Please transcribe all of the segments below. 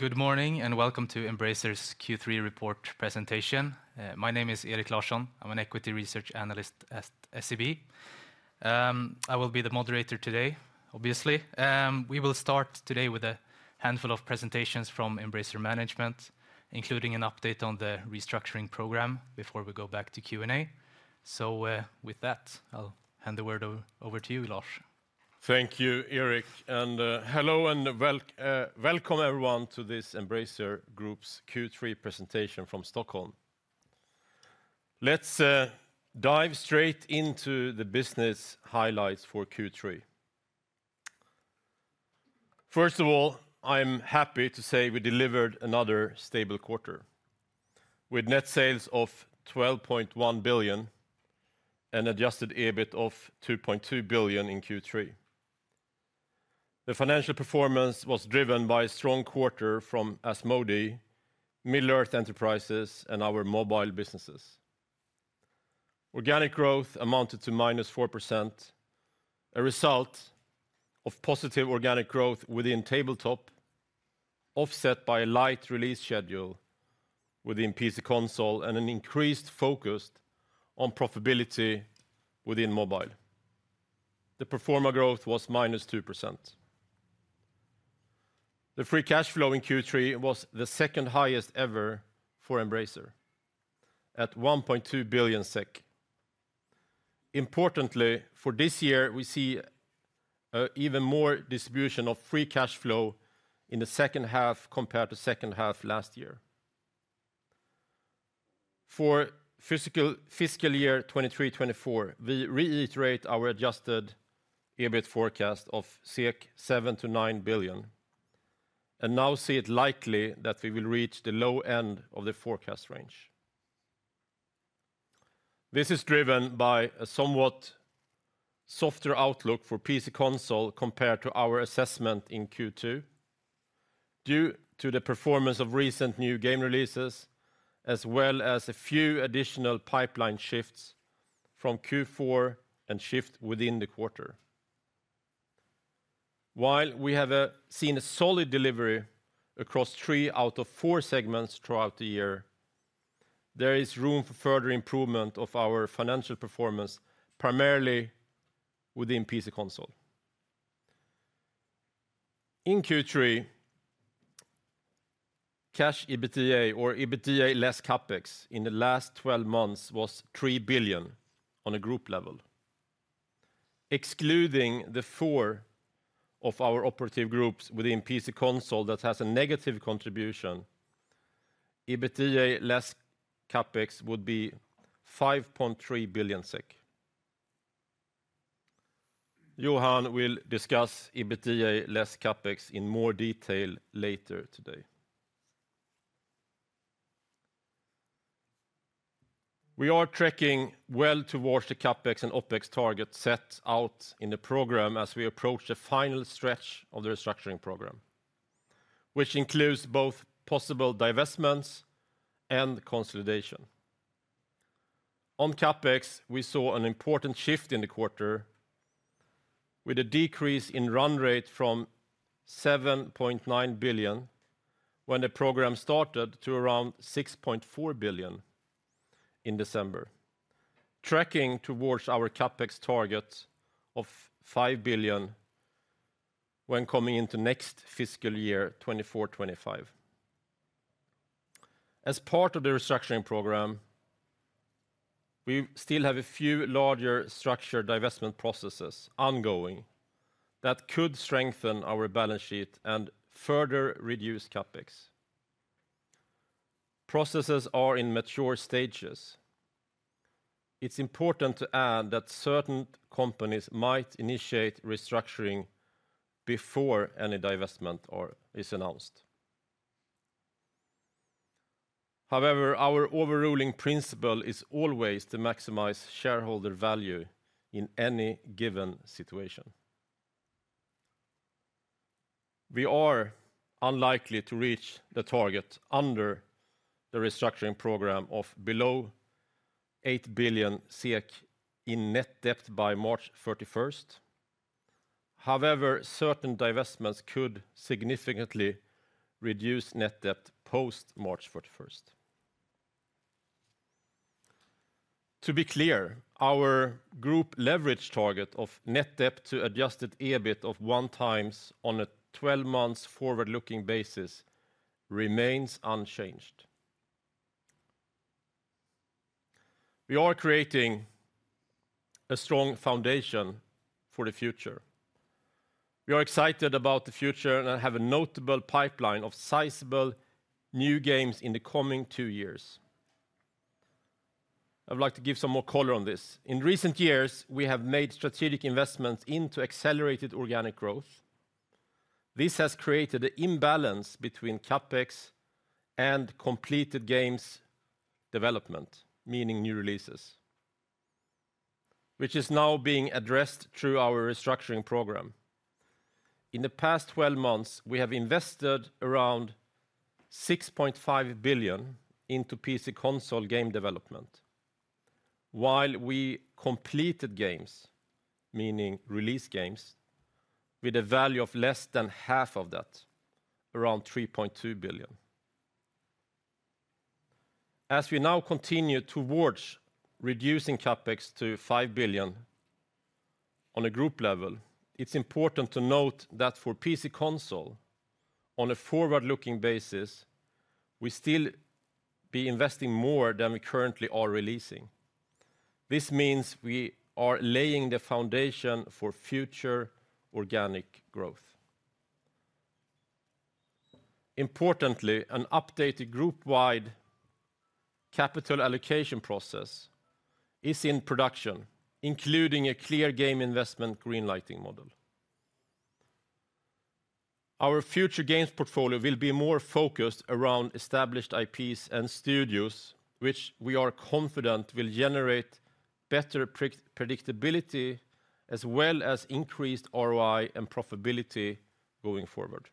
Good morning, and welcome to Embracer's Q3 report presentation. My name is Erik Larsson. I'm an Equity Research Analyst at SEB. I will be the moderator today, obviously. We will start today with a handful of presentations from Embracer management, including an update on the restructuring program before we go back to Q&A. With that, I'll hand the word over to you, Lars. Thank you, Erik, and hello, and welcome everyone to this Embracer Group's Q3 presentation from Stockholm. Let's dive straight into the business highlights for Q3. First of all, I'm happy to say we delivered another stable quarter, with net sales of 12.1 billion and adjusted EBIT of 2.2 billion in Q3. The financial performance was driven by a strong quarter from Asmodee, Middle-earth Enterprises, and our mobile businesses. Organic growth amounted to minus 4%, a result of positive organic growth within tabletop, offset by a light release schedule within PC console, and an increased focus on profitability within mobile. The pro forma growth was minus 2%. The free cash flow in Q3 was the second highest ever for Embracer at 1.2 billion SEK. Importantly, for this year, we see even more distribution of free cash flow in the second half compared to second half last year. For fiscal year 2023-2024, we reiterate our Adjusted EBIT forecast of 7-9 billion, and now see it likely that we will reach the low end of the forecast range. This is driven by a somewhat softer outlook for PC console compared to our assessment in Q2, due to the performance of recent new game releases, as well as a few additional pipeline shifts from Q4 and shift within the quarter. While we have seen a solid delivery across three out of four segments throughout the year, there is room for further improvement of our financial performance, primarily within PC console. In Q3, Cash EBITDA, or EBITDA less CapEx, in the last 12 months was 3 billion on a group level. Excluding the four of our operative groups within PC/console that has a negative contribution, EBITDA less CapEx would be 5.3 billion SEK. Johan will discuss EBITDA less CapEx in more detail later today. We are tracking well towards the CapEx and OpEx target set out in the program as we approach the final stretch of the restructuring program, which includes both possible divestments and consolidation. On CapEx, we saw an important shift in the quarter with a decrease in run rate from 7.9 billion when the program started, to around 6.4 billion in December, tracking towards our CapEx target of 5 billion when coming into next fiscal year, 2024, 2025. As part of the restructuring program, we still have a few larger structured divestment processes ongoing that could strengthen our balance sheet and further reduce CapEx. Processes are in mature stages. It's important to add that certain companies might initiate restructuring before any divestment or is announced. However, our overruling principle is always to maximize shareholder value in any given situation. We are unlikely to reach the target under the restructuring program of below 8 billion SEK in net debt by March 31st. However, certain divestments could significantly reduce net debt post March 31st. To be clear, our group leverage target of net debt to adjusted EBIT of 1x on a 12-month forward-looking basis remains unchanged. We are creating a strong foundation for the future. We are excited about the future and have a notable pipeline of sizable new games in the coming two years. I would like to give some more color on this. In recent years, we have made strategic investments into accelerated organic growth. This has created an imbalance between CapEx and completed games development, meaning new releases, which is now being addressed through our restructuring program. In the past 12 months, we have invested around 6.5 billion into PC console game development, while we completed games, meaning released games, with a value of less than half of that, around 3.2 billion. As we now continue towards reducing CapEx to 5 billion on a group level, it's important to note that for PC console, on a forward-looking basis, we still be investing more than we currently are releasing. This means we are laying the foundation for future organic growth. Importantly, an updated group-wide capital allocation process is in production, including a clear game investment green lighting model. Our future games portfolio will be more focused around established IPs and studios, which we are confident will generate better predictability, as well as increased ROI and profitability going forward.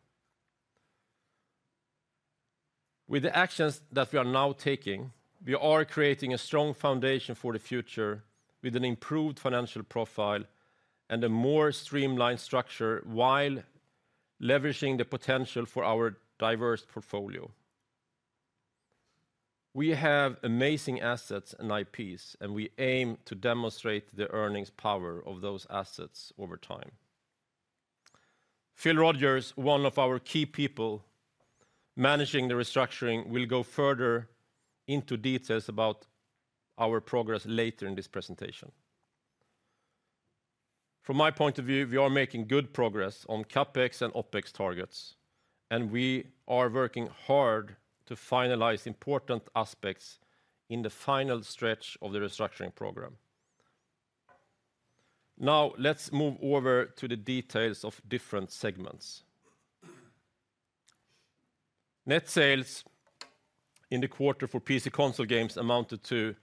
With the actions that we are now taking, we are creating a strong foundation for the future with an improved financial profile and a more streamlined structure, while leveraging the potential for our diverse portfolio. We have amazing assets and IPs, and we aim to demonstrate the earnings power of those assets over time. Phil Rogers, one of our key people managing the restructuring, will go further into details about our progress later in this presentation. From my point of view, we are making good progress on CapEx and OpEx targets, and we are working hard to finalize important aspects in the final stretch of the restructuring program. Now, let's move over to the details of different segments. Net sales in the quarter for PC console games amounted to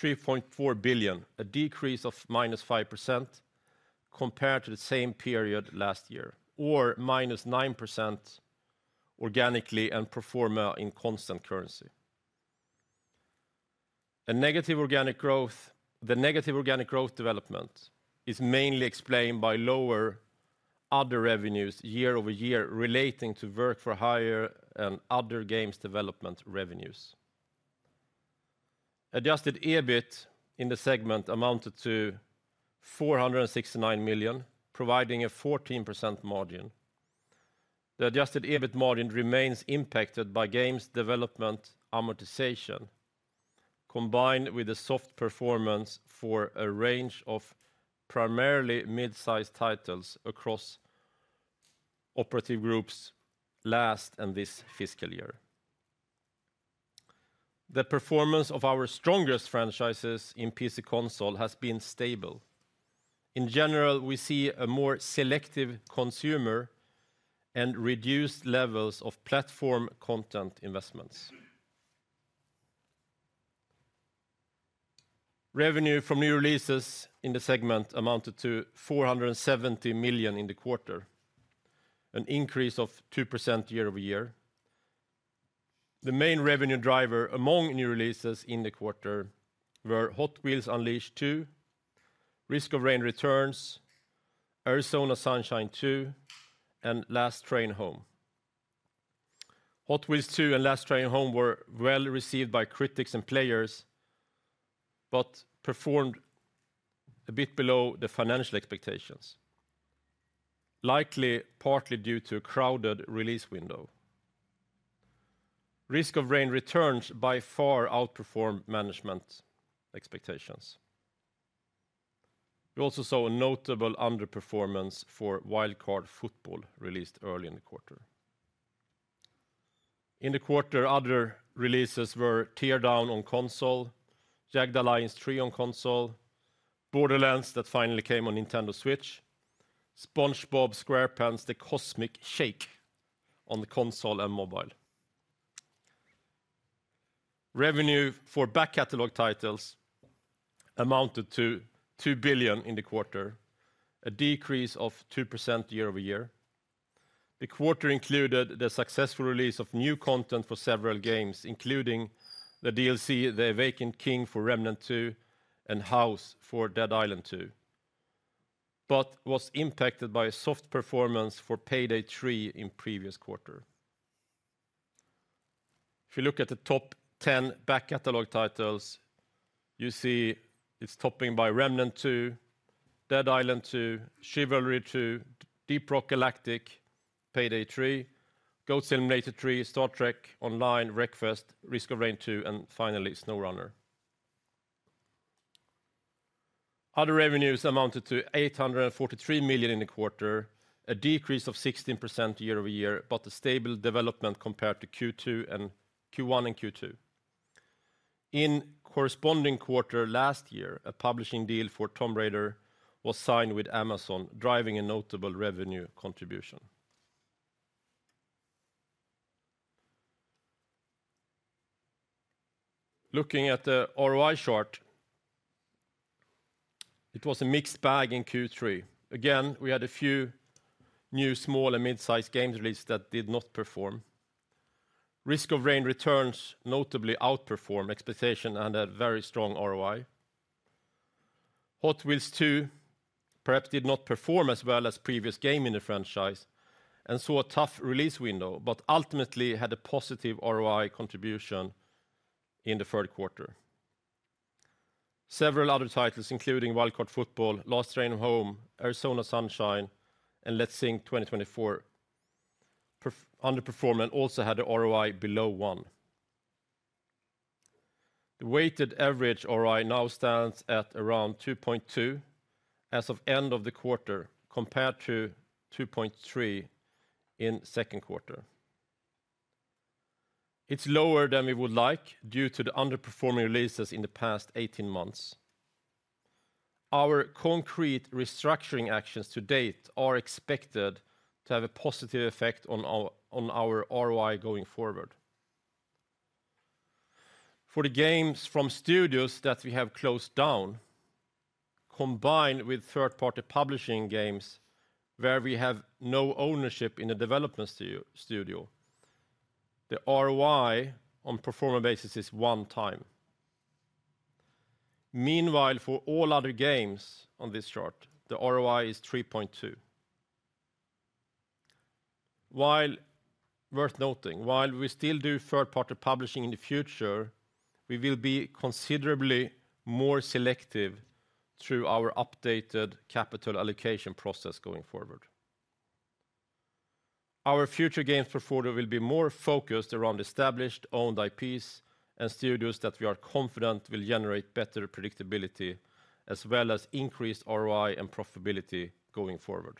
3.4 billion, a decrease of -5% compared to the same period last year, or -9% organically and pro forma in constant currency. A negative organic growth development is mainly explained by lower other revenues year-over-year, relating to work for hire and other games development revenues. Adjusted EBIT in the segment amounted to 469 million, providing a 14% margin. The adjusted EBIT margin remains impacted by games development amortization, combined with a soft performance for a range of primarily mid-sized titles across operative groups last and this fiscal year. The performance of our strongest franchises in PC console has been stable. In general, we see a more selective consumer and reduced levels of platform content investments. Revenue from new releases in the segment amounted to 470 million in the quarter, an increase of 2% year-over-year. The main revenue driver among new releases in the quarter were Hot Wheels Unleashed 2, Risk of Rain Returns, Arizona Sunshine 2, and Last Train Home. Hot Wheels 2 and Last Train Home were well received by critics and players, but performed a bit below the financial expectations, likely partly due to a crowded release window. Risk of Rain Returns by far outperformed management expectations. We also saw a notable underperformance for Wild Card Football, released early in the quarter. In the quarter, other releases were Teardown on console, Jagged Alliance 3 on console, Borderlands that finally came on Nintendo Switch, SpongeBob SquarePants: The Cosmic Shake on the console and mobile. Revenue for back catalog titles amounted to 2 billion in the quarter, a decrease of 2% year-over-year. The quarter included the successful release of new content for several games, including the DLC, The Awakened King for Remnant II and Haus for Dead Island 2, but was impacted by a soft performance for Payday 3 in previous quarter. If you look at the top 10 back catalog titles, you see it's topped by Remnant II, Dead Island 2, Chivalry II, Deep Rock Galactic, Payday 3, Goat Simulator 3, Star Trek Online, Wreckfest, Risk of Rain 2, and finally, SnowRunner. Other revenues amounted to 843 million in the quarter, a decrease of 16% year-over-year, but a stable development compared to Q2 and Q1 and Q2. In the corresponding quarter last year, a publishing deal for Tomb Raider was signed with Amazon, driving a notable revenue contribution. Looking at the ROI chart. It was a mixed bag in Q3. Again, we had a few new small and mid-sized games released that did not perform. Risk of Rain Returns notably outperformed expectation and had very strong ROI. Hot Wheels 2 perhaps did not perform as well as previous game in the franchise, and saw a tough release window, but ultimately had a positive ROI contribution in the third quarter. Several other titles, including Wild Card Football, Last Train Home, Arizona Sunshine, and Let's Sing 2024, underperformed and also had the ROI below one. The weighted average ROI now stands at around 2.2 as of end of the quarter, compared to 2.3 in second quarter. It's lower than we would like, due to the underperforming releases in the past 18 months. Our concrete restructuring actions to date are expected to have a positive effect on our, on our ROI going forward. For the games from studios that we have closed down, combined with third-party publishing games where we have no ownership in the development studio, the ROI on pro forma basis is 1x. Meanwhile, for all other games on this chart, the ROI is 3.2x. Worth noting, while we still do third-party publishing in the future, we will be considerably more selective through our updated capital allocation process going forward. Our future games portfolio will be more focused around established, owned IPs and studios that we are confident will generate better predictability, as well as increased ROI and profitability going forward.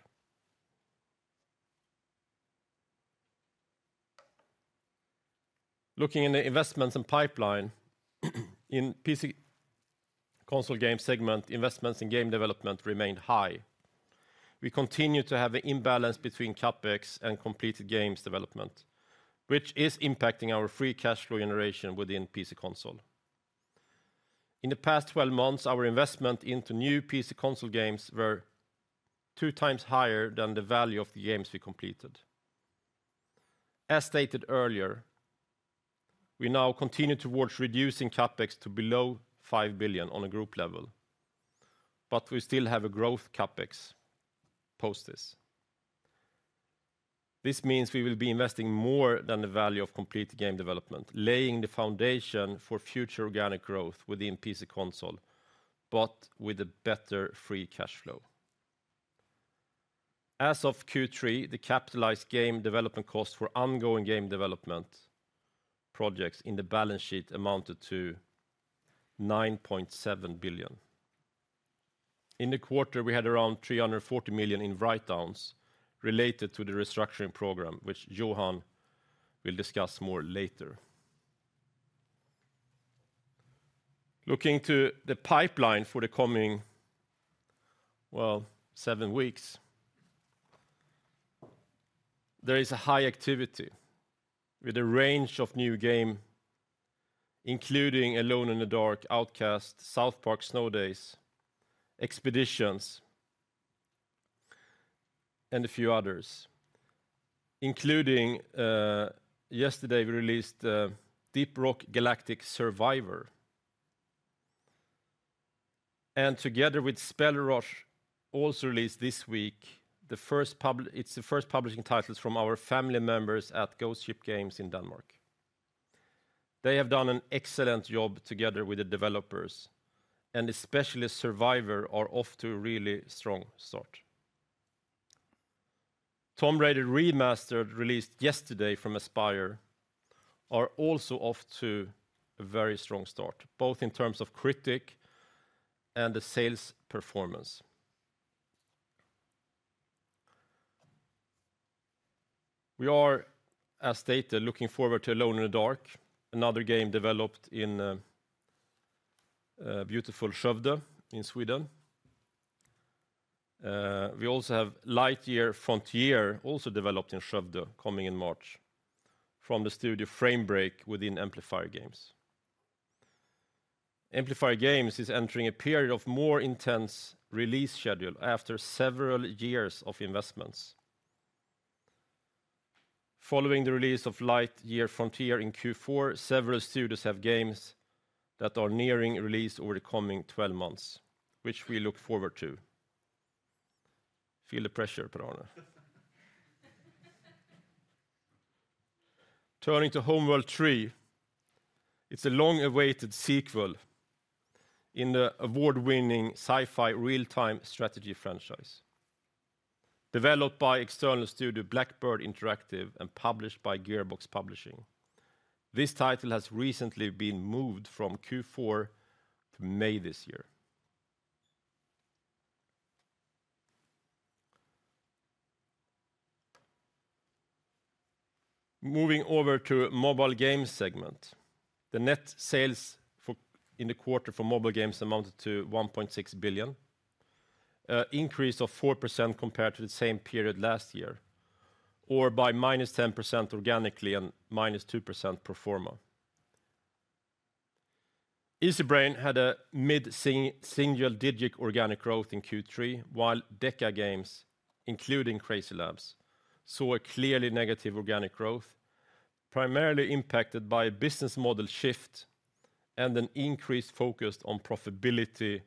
Looking in the investments and pipeline, in PC console game segment, investments in game development remained high. We continue to have an imbalance between CapEx and completed games development, which is impacting our free cash flow generation within PC console. In the past 12 months, our investment into new PC console games were 2 times higher than the value of the games we completed. As stated earlier, we now continue towards reducing CapEx to below 5 billion on a group level, but we still have a growth CapEx post this. This means we will be investing more than the value of complete game development, laying the foundation for future organic growth within PC console, but with a better free cash flow. As of Q3, the capitalized game development cost for ongoing game development projects in the balance sheet amounted to 9.7 billion. In the quarter, we had around 340 million in write-downs related to the restructuring program, which Johan will discuss more later. Looking to the pipeline for the coming, well, seven weeks, there is a high activity with a range of new game, including Alone in the Dark, Outcast, South Park: Snow Day!, Expeditions, and a few others, including yesterday, we released Deep Rock Galactic: Survivor. Together with SpellRogue, also released this week, the first publishing titles from our family members at Ghost Ship Games in Denmark. They have done an excellent job together with the developers, and especially Survivor are off to a really strong start. Tomb Raider Remastered, released yesterday from Aspyr, are also off to a very strong start, both in terms of critic and the sales performance. We are, as stated, looking forward to Alone in the Dark, another game developed in beautiful Skövde in Sweden. We also have Lightyear Frontier, also developed in Skövde, coming in March from the studio FrameBreak within Amplifier Game Invest. Amplifier Game Invest is entering a period of more intense release schedule after several years of investments. Following the release of Lightyear Frontier in Q4, several studios have games that are nearing release over the coming 12 months, which we look forward to. Feel the pressure, Per-Arne. Turning to Homeworld 3, it's a long-awaited sequel in the award-winning sci-fi real-time strategy franchise, developed by external studio Blackbird Interactive and published by Gearbox Publishing. This title has recently been moved from Q4 to May this year. Moving over to mobile games segment, the net sales for the quarter for mobile games amounted to 1.6 billion, an increase of 4% compared to the same period last year, or by -10% organically and -2% pro forma. Easybrain had a mid-single digit organic growth in Q3, while Deca Games, including Crazy Labs, saw a clearly negative organic growth, primarily impacted by a business model shift and an increased focus on profitability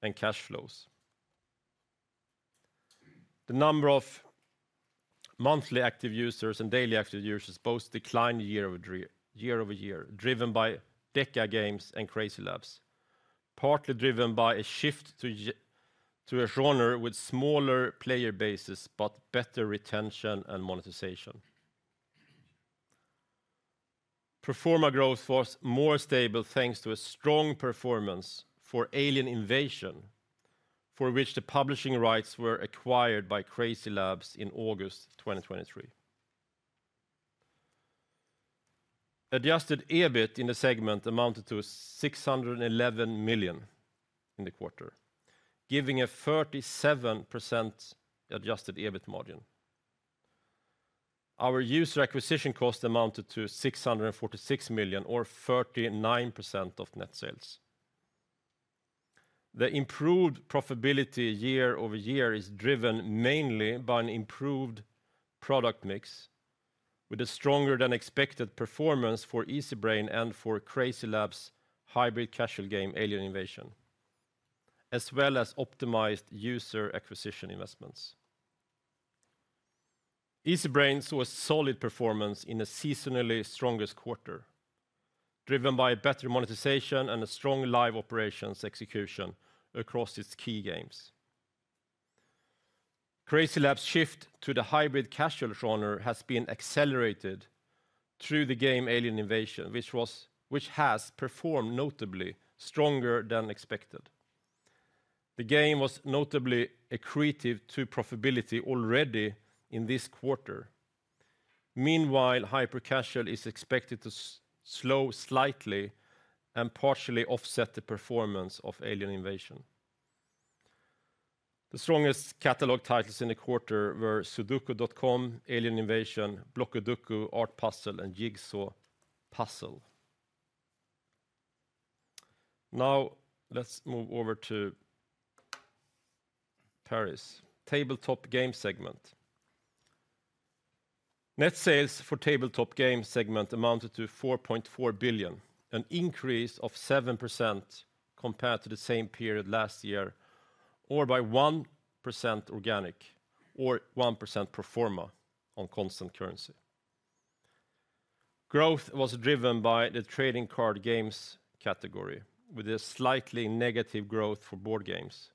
and cash flows. The number of monthly active users and daily active users both declined year over year, driven by Deca Games and Crazy Labs, partly driven by a shift to a genre with smaller player bases, but better retention and monetization. forma growth was more stable, thanks to a strong performance for Alien Invasion, for which the publishing rights were acquired by Crazy Labs in August 2023. Adjusted EBIT in the segment amounted to 611 million in the quarter, giving a 37% adjusted EBIT margin. Our user acquisition cost amounted to 646 million, or 39% of net sales. The improved profitability year-over-year is driven mainly by an improved product mix, with a stronger than expected performance for Easybrain and for Crazy Labs' hybrid casual game, Alien Invasion, as well as optimized user acquisition investments. Easybrain saw a solid performance in a seasonally strongest quarter, driven by a better monetization and a strong live operations execution across its key games. Crazy Labs' shift to the hybrid casual genre has been accelerated through the game Alien Invasion, which has performed notably stronger than expected. The game was notably accretive to profitability already in this quarter. Meanwhile, hyper casual is expected to slow slightly and partially offset the performance of Alien Invasion. The strongest catalog titles in the quarter were sudoku.com, Alien Invasion, BlockuDoku, Art Puzzle, and Jigsaw Puzzle. Now, let's move over to Paris. Tabletop Games segment. Net sales for tabletop games segment amounted to 4.4 billion, an increase of 7% compared to the same period last year, or by 1% organic or 1% pro forma on constant currency. Growth was driven by the trading card games category, with a slightly negative growth for board games.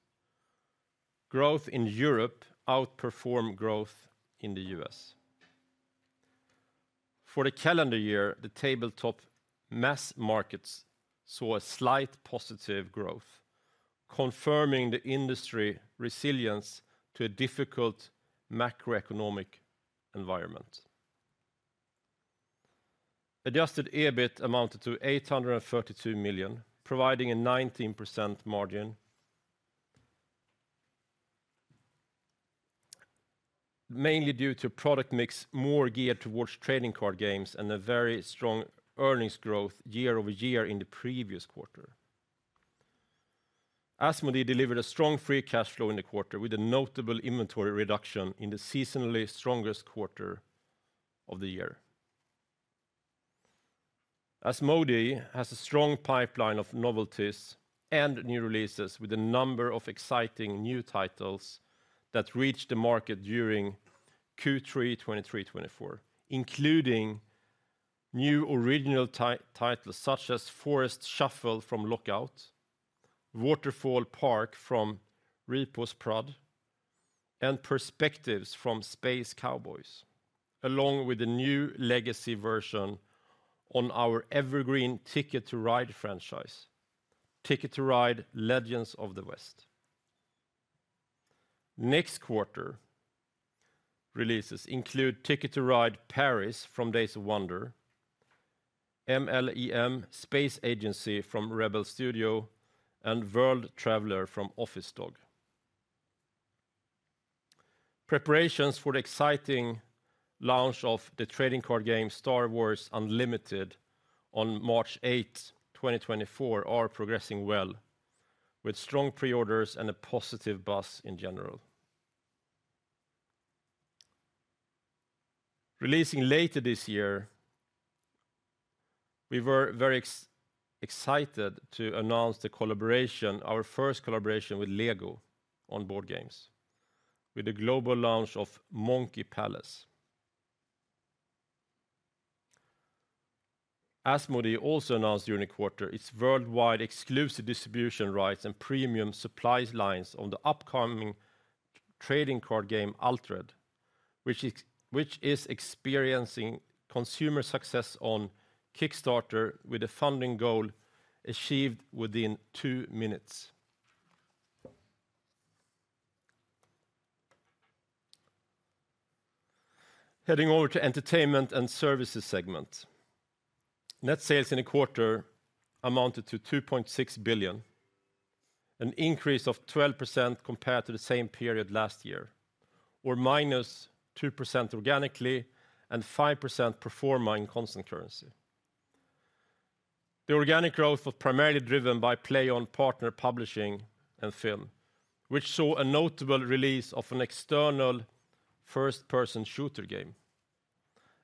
Growth in Europe outperformed growth in the US. For the calendar year, the tabletop mass markets saw a slight positive growth, confirming the industry resilience to a difficult macroeconomic environment. Adjusted EBIT amounted to 832 million, providing a 19% margin, mainly due to product mix more geared towards trading card games and a very strong earnings growth year-over-year in the previous quarter. Asmodee delivered a strong free cash flow in the quarter, with a notable inventory reduction in the seasonally strongest quarter of the year. Asmodee has a strong pipeline of novelties and new releases with a number of exciting new titles that reached the market during Q3 2023-2024, including new original titles such as Forest Shuffle from Lookout, Waterfall Park from Repos Production, and Perspectives from Space Cowboys, along with a new legacy version on our evergreen Ticket to Ride franchise, Ticket to Ride: Legends of the West. Next quarter, releases include Ticket to Ride: Paris from Days of Wonder, MLEM: Space Agency from Rebel Studio, and Word Traveler from Office Dog. Preparations for the exciting launch of the trading card game, Star Wars Unlimited, on March 8, 2024, are progressing well, with strong pre-orders and a positive buzz in general. Releasing later this year, we were very excited to announce the collaboration, our first collaboration with LEGO on board games, with the global launch of Monkey Palace. Asmodee also announced during the quarter, its worldwide exclusive distribution rights and premium supplies lines on the upcoming trading card game, Altered, which is experiencing consumer success on Kickstarter with a funding goal achieved within two minutes. Heading over to Entertainment and Services segment. Net sales in the quarter amounted to 2.6 billion. An increase of 12% compared to the same period last year, or -2% organically and 5% pro forma in constant currency. The organic growth was primarily driven by PLAION partner publishing and film, which saw a notable release of an external first-person shooter game,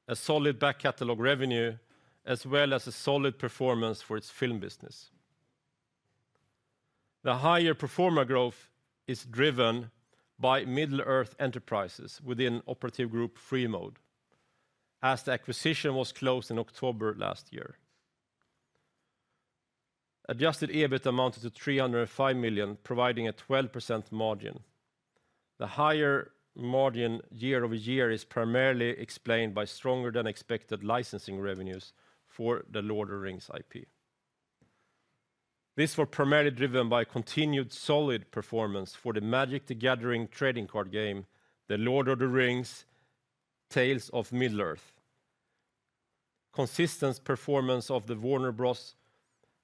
a solid back catalog revenue, as well as a solid performance for its film business. The higher pro forma growth is driven by Middle-earth Enterprises within Operative Group Freemode, as the acquisition was closed in October last year. Adjusted EBIT amounted to 305 million, providing a 12% margin. The higher margin year-over-year is primarily explained by stronger than expected licensing revenues for the Lord of the Rings IP. This was primarily driven by continued solid performance for the Magic: The Gathering trading card game, The Lord of the Rings: Tales of Middle-earth. Consistent performance of the Warner Bros.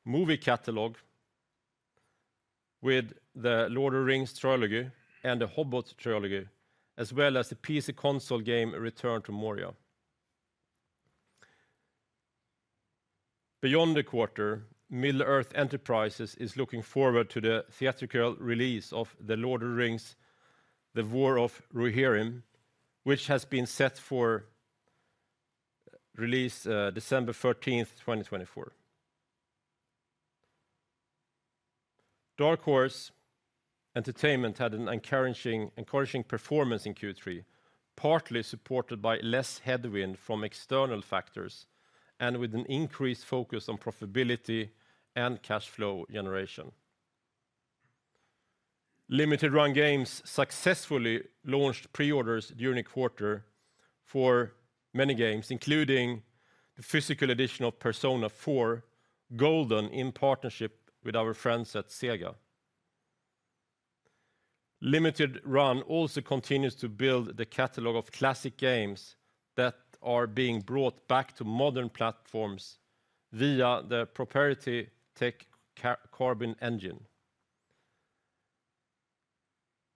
movie catalog with the Lord of the Rings trilogy and The Hobbit trilogy, as well as the PC console game, Return to Moria. Beyond the quarter, Middle-earth Enterprises is looking forward to the theatrical release of The Lord of the Rings: The War of the Rohirrim, which has been set for release, December thirteenth, 2024. Dark Horse Entertainment had an encouraging, encouraging performance in Q3, partly supported by less headwind from external factors, and with an increased focus on profitability and cash flow generation. Limited Run Games successfully launched pre-orders during the quarter for many games, including the physical edition of Persona 4 Golden, in partnership with our friends at Sega. Limited Run also continues to build the catalog of classic games that are being brought back to modern platforms via the proprietary tech Carbon Engine.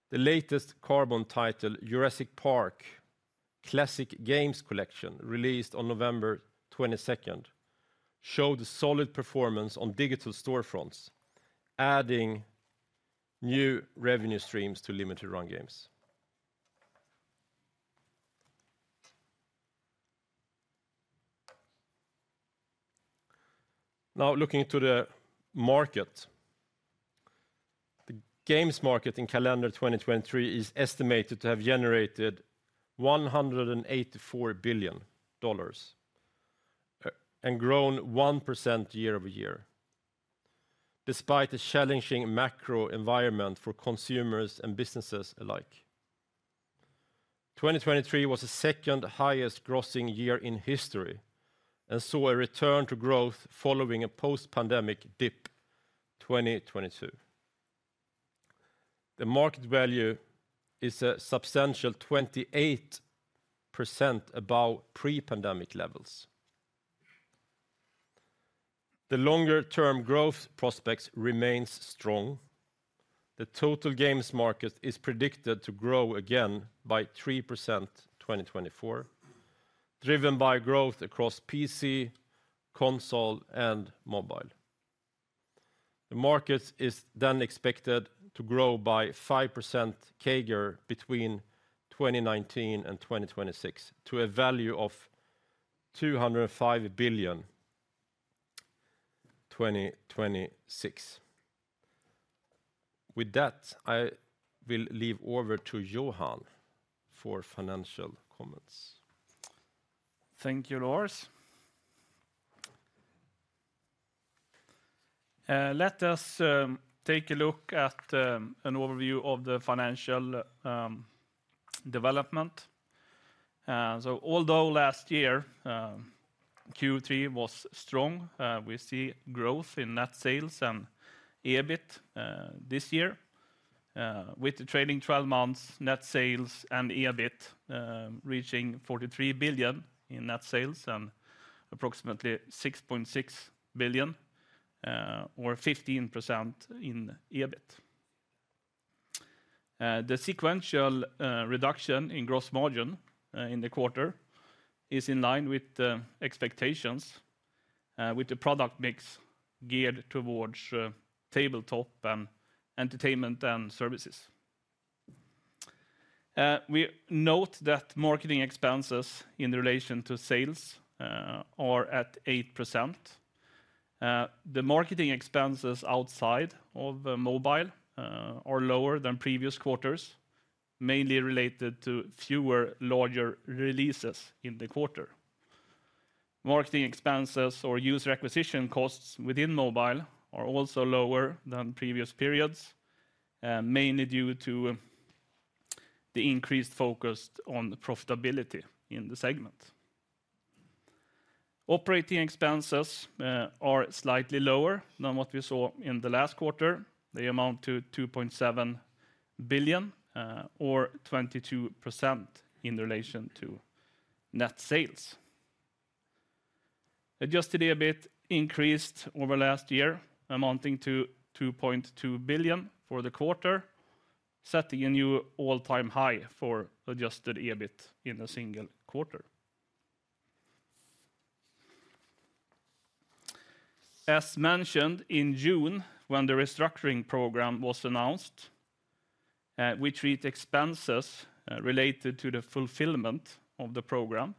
The latest Carbon title, Jurassic Park Classic Games Collection, released on November 22, showed a solid performance on digital storefronts, adding new revenue streams to Limited Run Games. Now, looking to the market. The games market in calendar 2023 is estimated to have generated $184 billion, and grown 1% year-over-year, despite the challenging macro environment for consumers and businesses alike. 2023 was the second highest grossing year in history and saw a return to growth following a post-pandemic dip, 2022. The market value is a substantial 28% above pre-pandemic levels. The longer-term growth prospects remains strong. The total games market is predicted to grow again by 3% in 2024, driven by growth across PC, console, and mobile. The market is then expected to grow by 5% CAGR between 2019 and 2026, to a value of $205 billion in 2026. With that, I will leave over to Johan for Financial comments. Thank you, Lars. Let us take a look at an overview of the financial development. So although last year Q3 was strong, we see growth in net sales and EBIT this year, with the trailing 12 months net sales and EBIT reaching 43 billion in net sales and approximately 6.6 billion, or 15% in EBIT. The sequential reduction in gross margin in the quarter is in line with expectations, with the product mix geared towards tabletop entertainment and services. We note that marketing expenses in relation to sales are at 8%. The marketing expenses outside of mobile are lower than previous quarters, mainly related to fewer larger releases in the quarter. Marketing expenses or user acquisition costs within mobile are also lower than previous periods, mainly due to the increased focus on the profitability in the segment. Operating expenses are slightly lower than what we saw in the last quarter. They amount to 2.7 billion, or 22% in relation to net sales. Adjusted EBIT increased over last year, amounting to 2.2 billion for the quarter, setting a new all-time high for adjusted EBIT in a single quarter. As mentioned in June, when the restructuring program was announced, we treat expenses related to the fulfillment of the program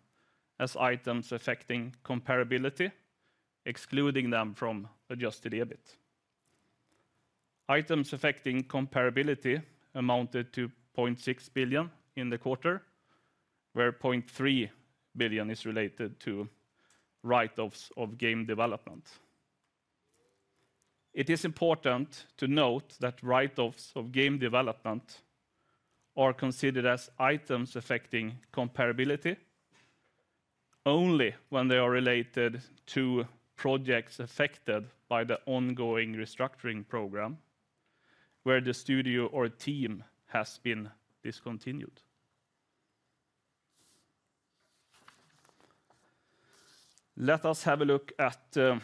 as items affecting comparability, excluding them from adjusted EBIT. Items affecting comparability amounted to 0.6 billion in the quarter, where 0.3 billion is related to write-offs of game development. It is important to note that write-offs of game development are considered as items affecting comparability only when they are related to projects affected by the ongoing restructuring program, where the studio or team has been discontinued. Let us have a look at the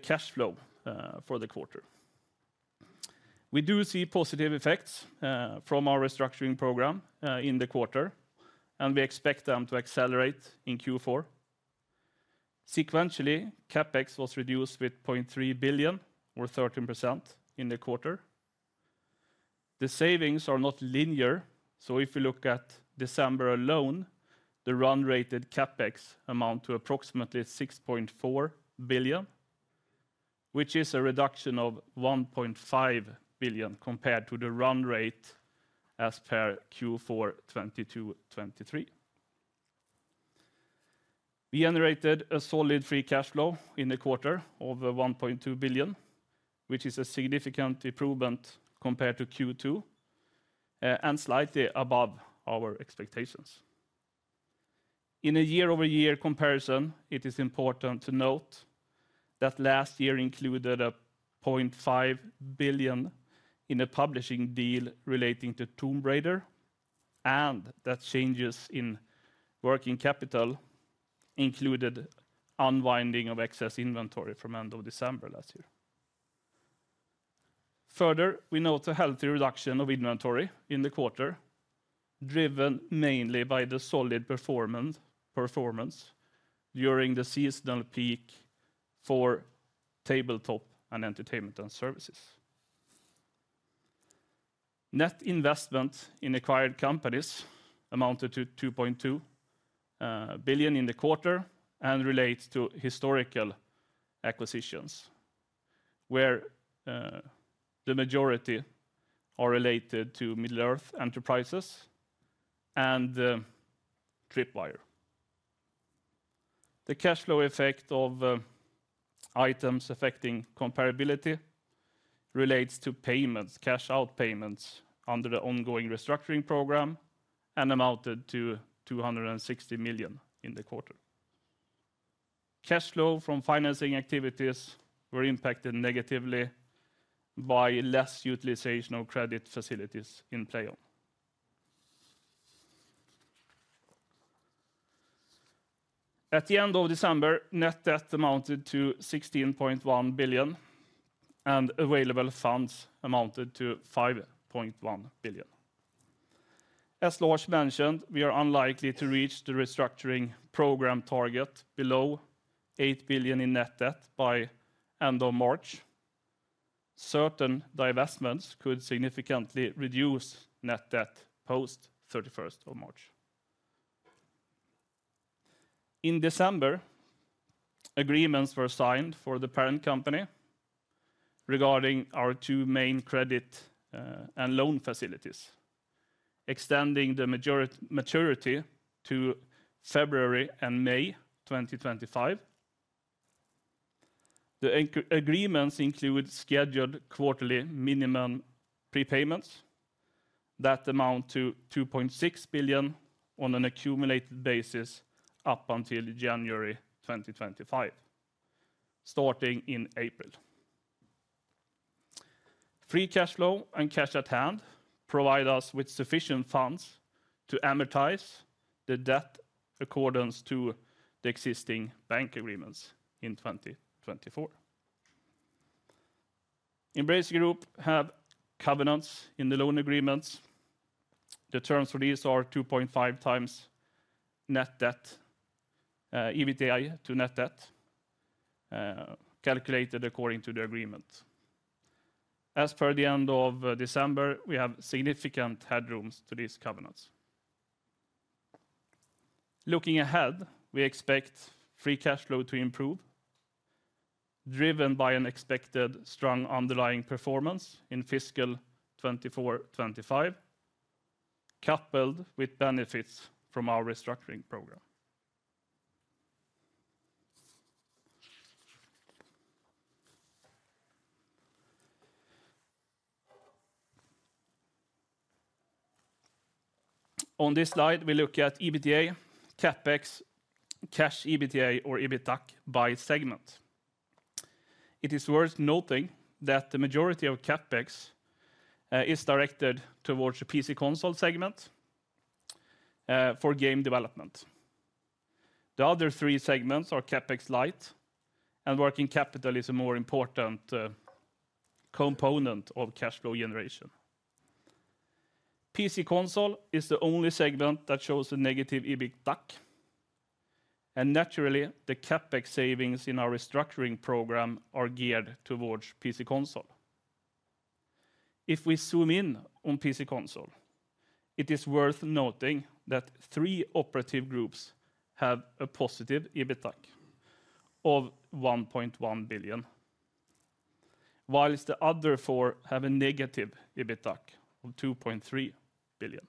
cash flow for the quarter. We do see positive effects from our restructuring program in the quarter, and we expect them to accelerate in Q4. Sequentially, CapEx was reduced with 0.3 billion, or 13% in the quarter. The savings are not linear, so if you look at December alone, the run-rated CapEx amounts to approximately 6.4 billion, which is a reduction of 1.5 billion compared to the run rate as per Q4 2022-2023. We generated a solid free cash flow in the quarter of 1.2 billion, which is a significant improvement compared to Q2 and slightly above our expectations. In a year-over-year comparison, it is important to note that last year included 0.5 billion in a publishing deal relating to Tomb Raider, and that changes in working capital included unwinding of excess inventory from end of December last year. Further, we note a healthy reduction of inventory in the quarter, driven mainly by the solid performance during the seasonal peak for tabletop and entertainment and services. Net investment in acquired companies amounted to 2.2 billion in the quarter and relates to historical acquisitions, where the majority are related to Middle-earth Enterprises and Tripwire. The cash flow effect of items affecting comparability relates to payments, cash out payments, under the ongoing restructuring program and amounted to 260 million in the quarter. Cash flow from financing activities were impacted negatively by less utilization of credit facilities in PLAION. At the end of December, net debt amounted to 16.1 billion, and available funds amounted to 5.1 billion. As Lars mentioned, we are unlikely to reach the restructuring program target below 8 billion in net debt by end of March. Certain divestments could significantly reduce net debt post March 31. In December, agreements were signed for the parent company regarding our two main credit and loan facilities, extending the majority maturity to February and May 2025. The agreements include scheduled quarterly minimum prepayments that amount to 2.6 billion on an accumulated basis up until January 2025, starting in April. Free cash flow and cash at hand provide us with sufficient funds to amortize the debt accordance to the existing bank agreements in 2024. Embracer Group have covenants in the loan agreements. The terms for these are 2.5 times net debt, EBITDA to net debt, calculated according to the agreement. As per the end of December, we have significant headrooms to these covenants. Looking ahead, we expect free cash flow to improve, driven by an expected strong underlying performance in fiscal 2024, 2025, coupled with benefits from our restructuring program. On this slide, we look at EBITDA, CapEx, cash EBITDA or EBITDAC by segment. It is worth noting that the majority of CapEx is directed towards the PC console segment for game development. The other three segments are CapEx light, and working capital is a more important component of cash flow generation. PC console is the only segment that shows a negative EBITDAC, and naturally, the CapEx savings in our restructuring program are geared towards PC console. If we zoom in on PC console, it is worth noting that three operative groups have a positive EBITDAC of 1.1 billion, while the other four have a negative EBITDAC of 2.3 billion.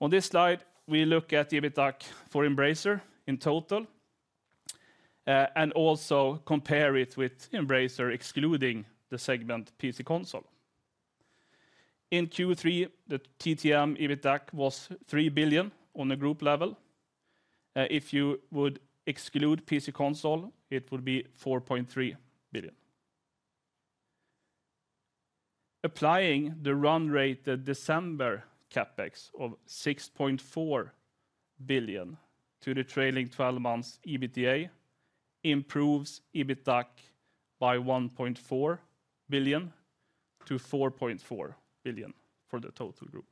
On this slide, we look at the EBITDAC for Embracer in total and also compare it with Embracer, excluding the segment PC console. In Q3, the TTM EBITDAC was 3 billion on a group level. If you would exclude PC console, it would be 4.3 billion. Applying the run rate, the December CapEx of 6.4 billion to the trailing12 months EBITDA improves EBITDAC by 1.4 billion to 4.4 billion for the total group.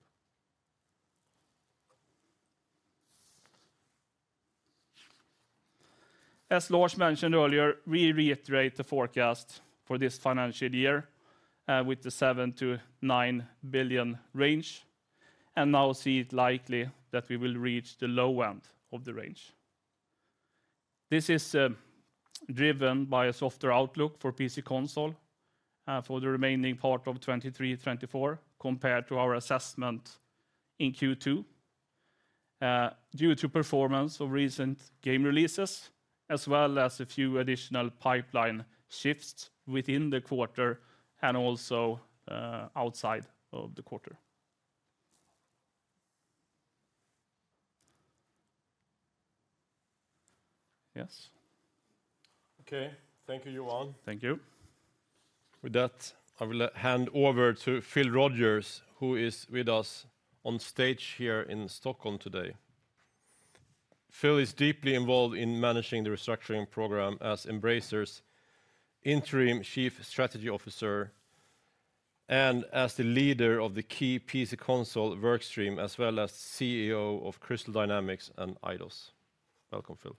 As Lars mentioned earlier, we reiterate the forecast for this financial year with the 7-9 billion range, and now see it likely that we will reach the low end of the range. This is driven by a softer outlook for PC console for the remaining part of 2023-2024, compared to our assessment in Q2, due to performance of recent game releases, as well as a few additional pipeline shifts within the quarter and also outside of the quarter. Yes. Okay. Thank you, Johan. Thank you. With that, I will hand over to Phil Rogers, who is with us on stage here in Stockholm today. Phil is deeply involved in managing the restructuring program as Embracer's Interim Chief Strategy Officer and as the leader of the key PC console work stream, as well as CEO of Crystal Dynamics and Eidos. Welcome, Phil.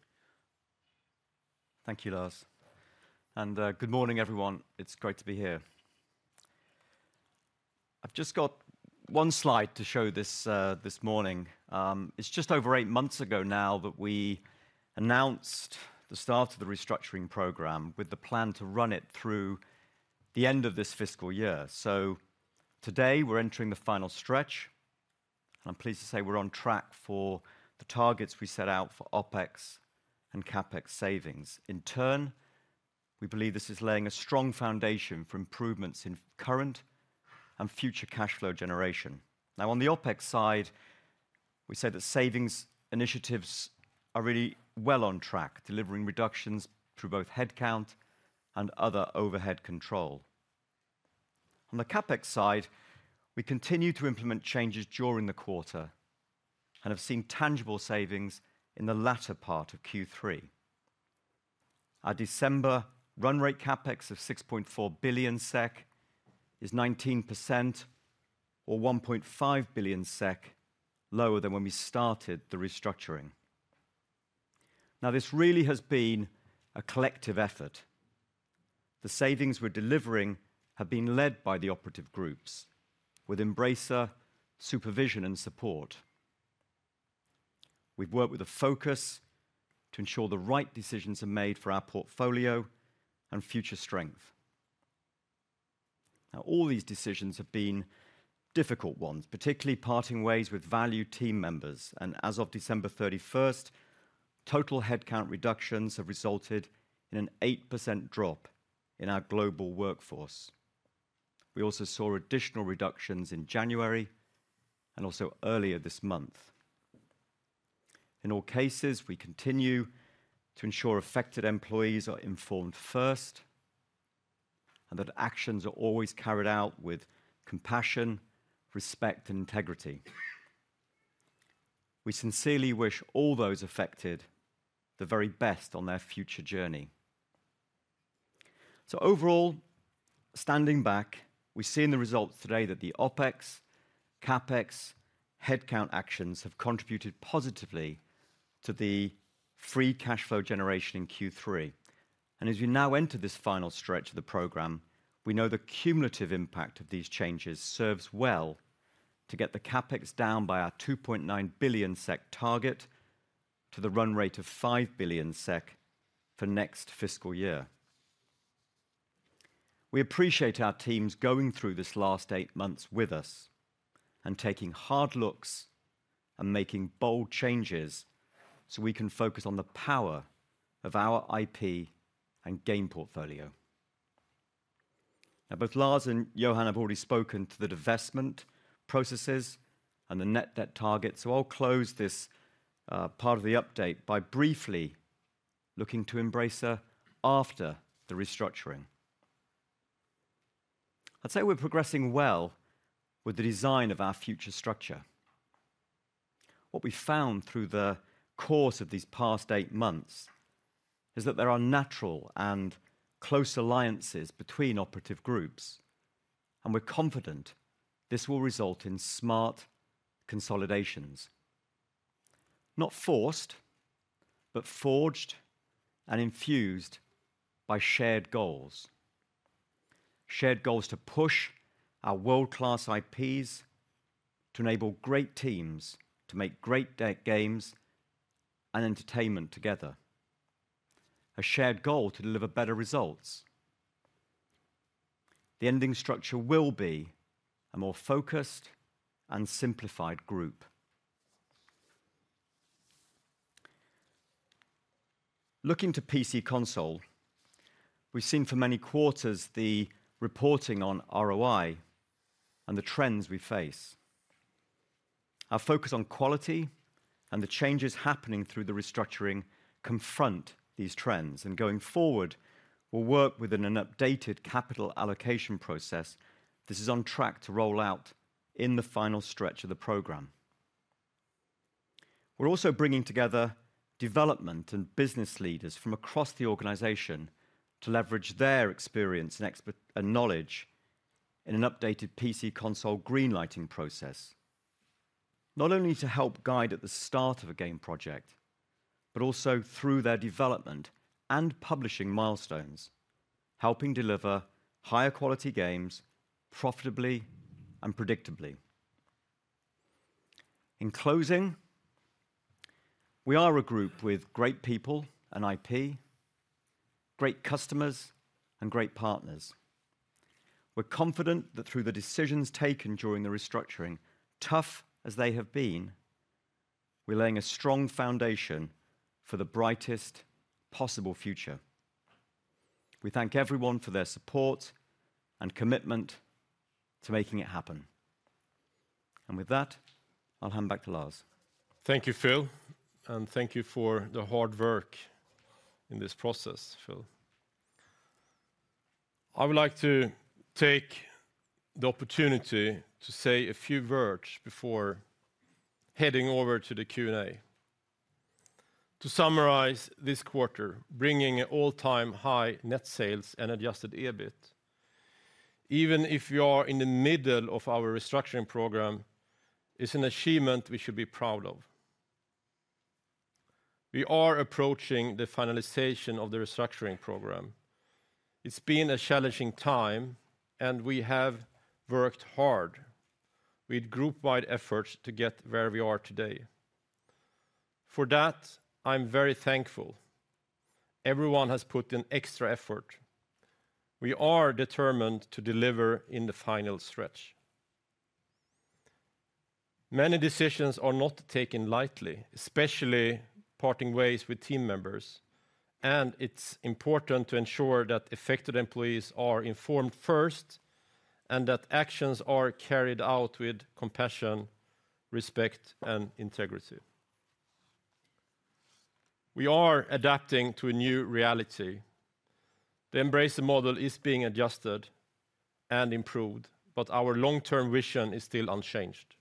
Thank you, Lars. Good morning, everyone. It's great to be here. I've just got one slide to show this morning. It's just over eight months ago now that we announced the start of the restructuring program with the plan to run it through the end of this fiscal year. So today, we're entering the final stretch, and I'm pleased to say we're on track for the targets we set out for OpEx and CapEx savings. In turn, we believe this is laying a strong foundation for improvements in current and future cash flow generation. Now, on the OpEx side, we said that savings initiatives are really well on track, delivering reductions through both headcount and other overhead control. On the CapEx side, we continued to implement changes during the quarter and have seen tangible savings in the latter part of Q3. Our December run rate CapEx of 6.4 billion SEK is 19% or 1.5 billion SEK lower than when we started the restructuring. Now, this really has been a collective effort. The savings we're delivering have been led by the operative groups with Embracer supervision and support. We've worked with a focus to ensure the right decisions are made for our portfolio and future strength. Now, all these decisions have been difficult ones, particularly parting ways with valued team members, and as of December 31st, total headcount reductions have resulted in an 8% drop in our global workforce. We also saw additional reductions in January and also earlier this month. In all cases, we continue to ensure affected employees are informed first, and that actions are always carried out with compassion, respect, and integrity. We sincerely wish all those affected the very best on their future journey. So overall, standing back, we've seen the results today that the OpEx, CapEx, headcount actions have contributed positively to the free cash flow generation in Q3. And as we now enter this final stretch of the program, we know the cumulative impact of these changes serves well to get the CapEx down by our 2.9 billion SEK target to the run rate of 5 billion SEK for next fiscal year. We appreciate our teams going through this last eight months with us and taking hard looks and making bold changes so we can focus on the power of our IP and game portfolio. Both Lars and Johan have already spoken to the divestment processes and the net debt target, so I'll close this part of the update by briefly looking to Embracer after the restructuring. I'd say we're progressing well with the design of our future structure. What we found through the course of these past eight months is that there are natural and close alliances between operative groups, and we're confident this will result in smart consolidations. Not forced, but forged and infused by shared goals. Shared goals to push our world-class IPs, to enable great teams, to make great games and entertainment together. A shared goal to deliver better results. The ending structure will be a more focused and simplified group. Looking to PC/Console, we've seen for many quarters the reporting on ROI and the trends we face. Our focus on quality and the changes happening through the restructuring confront these trends, and going forward, we'll work within an updated capital allocation process. This is on track to roll out in the final stretch of the program. We're also bringing together development and business leaders from across the organization to leverage their experience and expertise and knowledge in an updated PC/Console greenlighting process. Not only to help guide at the start of a game project, but also through their development and publishing milestones, helping deliver higher quality games profitably and predictably. In closing, we are a group with great people and IP, great customers, and great partners. We're confident that through the decisions taken during the restructuring, tough as they have been, we're laying a strong foundation for the brightest possible future. We thank everyone for their support and commitment to making it happen. With that, I'll hand back to Lars. Thank you, Phil, and thank you for the hard work in this process, Phil. I would like to take the opportunity to say a few words before heading over to the Q&A. To summarize this quarter, bringing an all-time high net sales and Adjusted EBIT, even if we are in the middle of our restructuring program, it's an achievement we should be proud of. We are approaching the finalization of the restructuring program. It's been a challenging time, and we have worked hard with group-wide efforts to get where we are today. For that, I'm very thankful. Everyone has put in extra effort. We are determined to deliver in the final stretch. Many decisions are not taken lightly, especially parting ways with team members, and it's important to ensure that affected employees are informed first, and that actions are carried out with compassion, respect, and integrity. We are adapting to a new reality. The Embracer model is being adjusted and improved, but our long-term vision is still unchanged.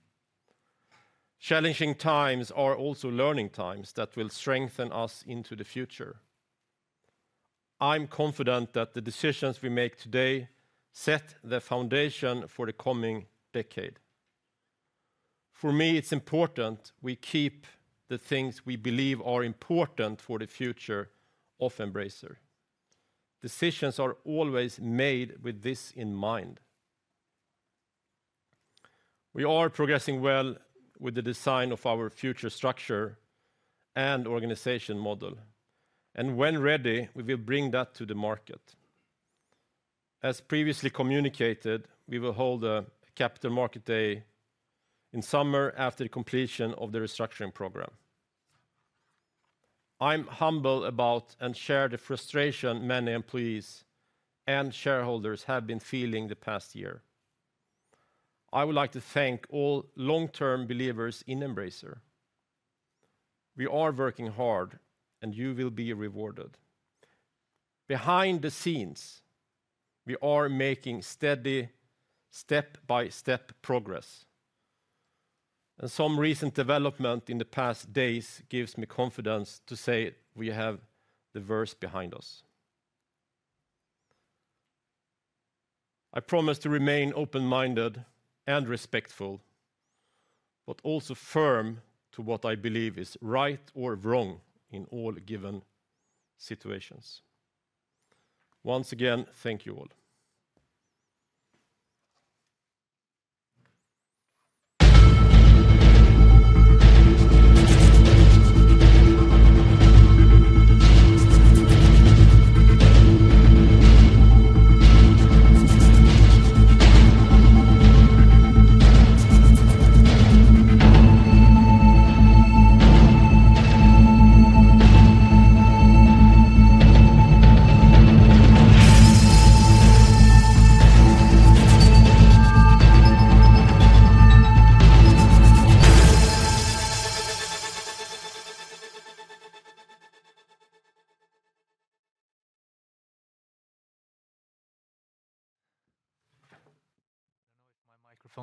Challenging times are also learning times that will strengthen us into the future. I'm confident that the decisions we make today set the foundation for the coming decade. For me, it's important we keep the things we believe are important for the future of Embracer. Decisions are always made with this in mind. We are progressing well with the design of our future structure and organization model, and when ready, we will bring that to the market. As previously communicated, we will hold a capital market day in summer after the completion of the restructuring program. I'm humble about and share the frustration many employees and shareholders have been feeling the past year. I would like to thank all long-term believers in Embracer. We are working hard, and you will be rewarded. Behind the scenes, we are making steady step-by-step progress, and some recent development in the past days gives me confidence to say we have the worst behind us. I promise to remain open-minded and respectful, but also firm to what I believe is right or wrong in all given situations. Once again, thank you all.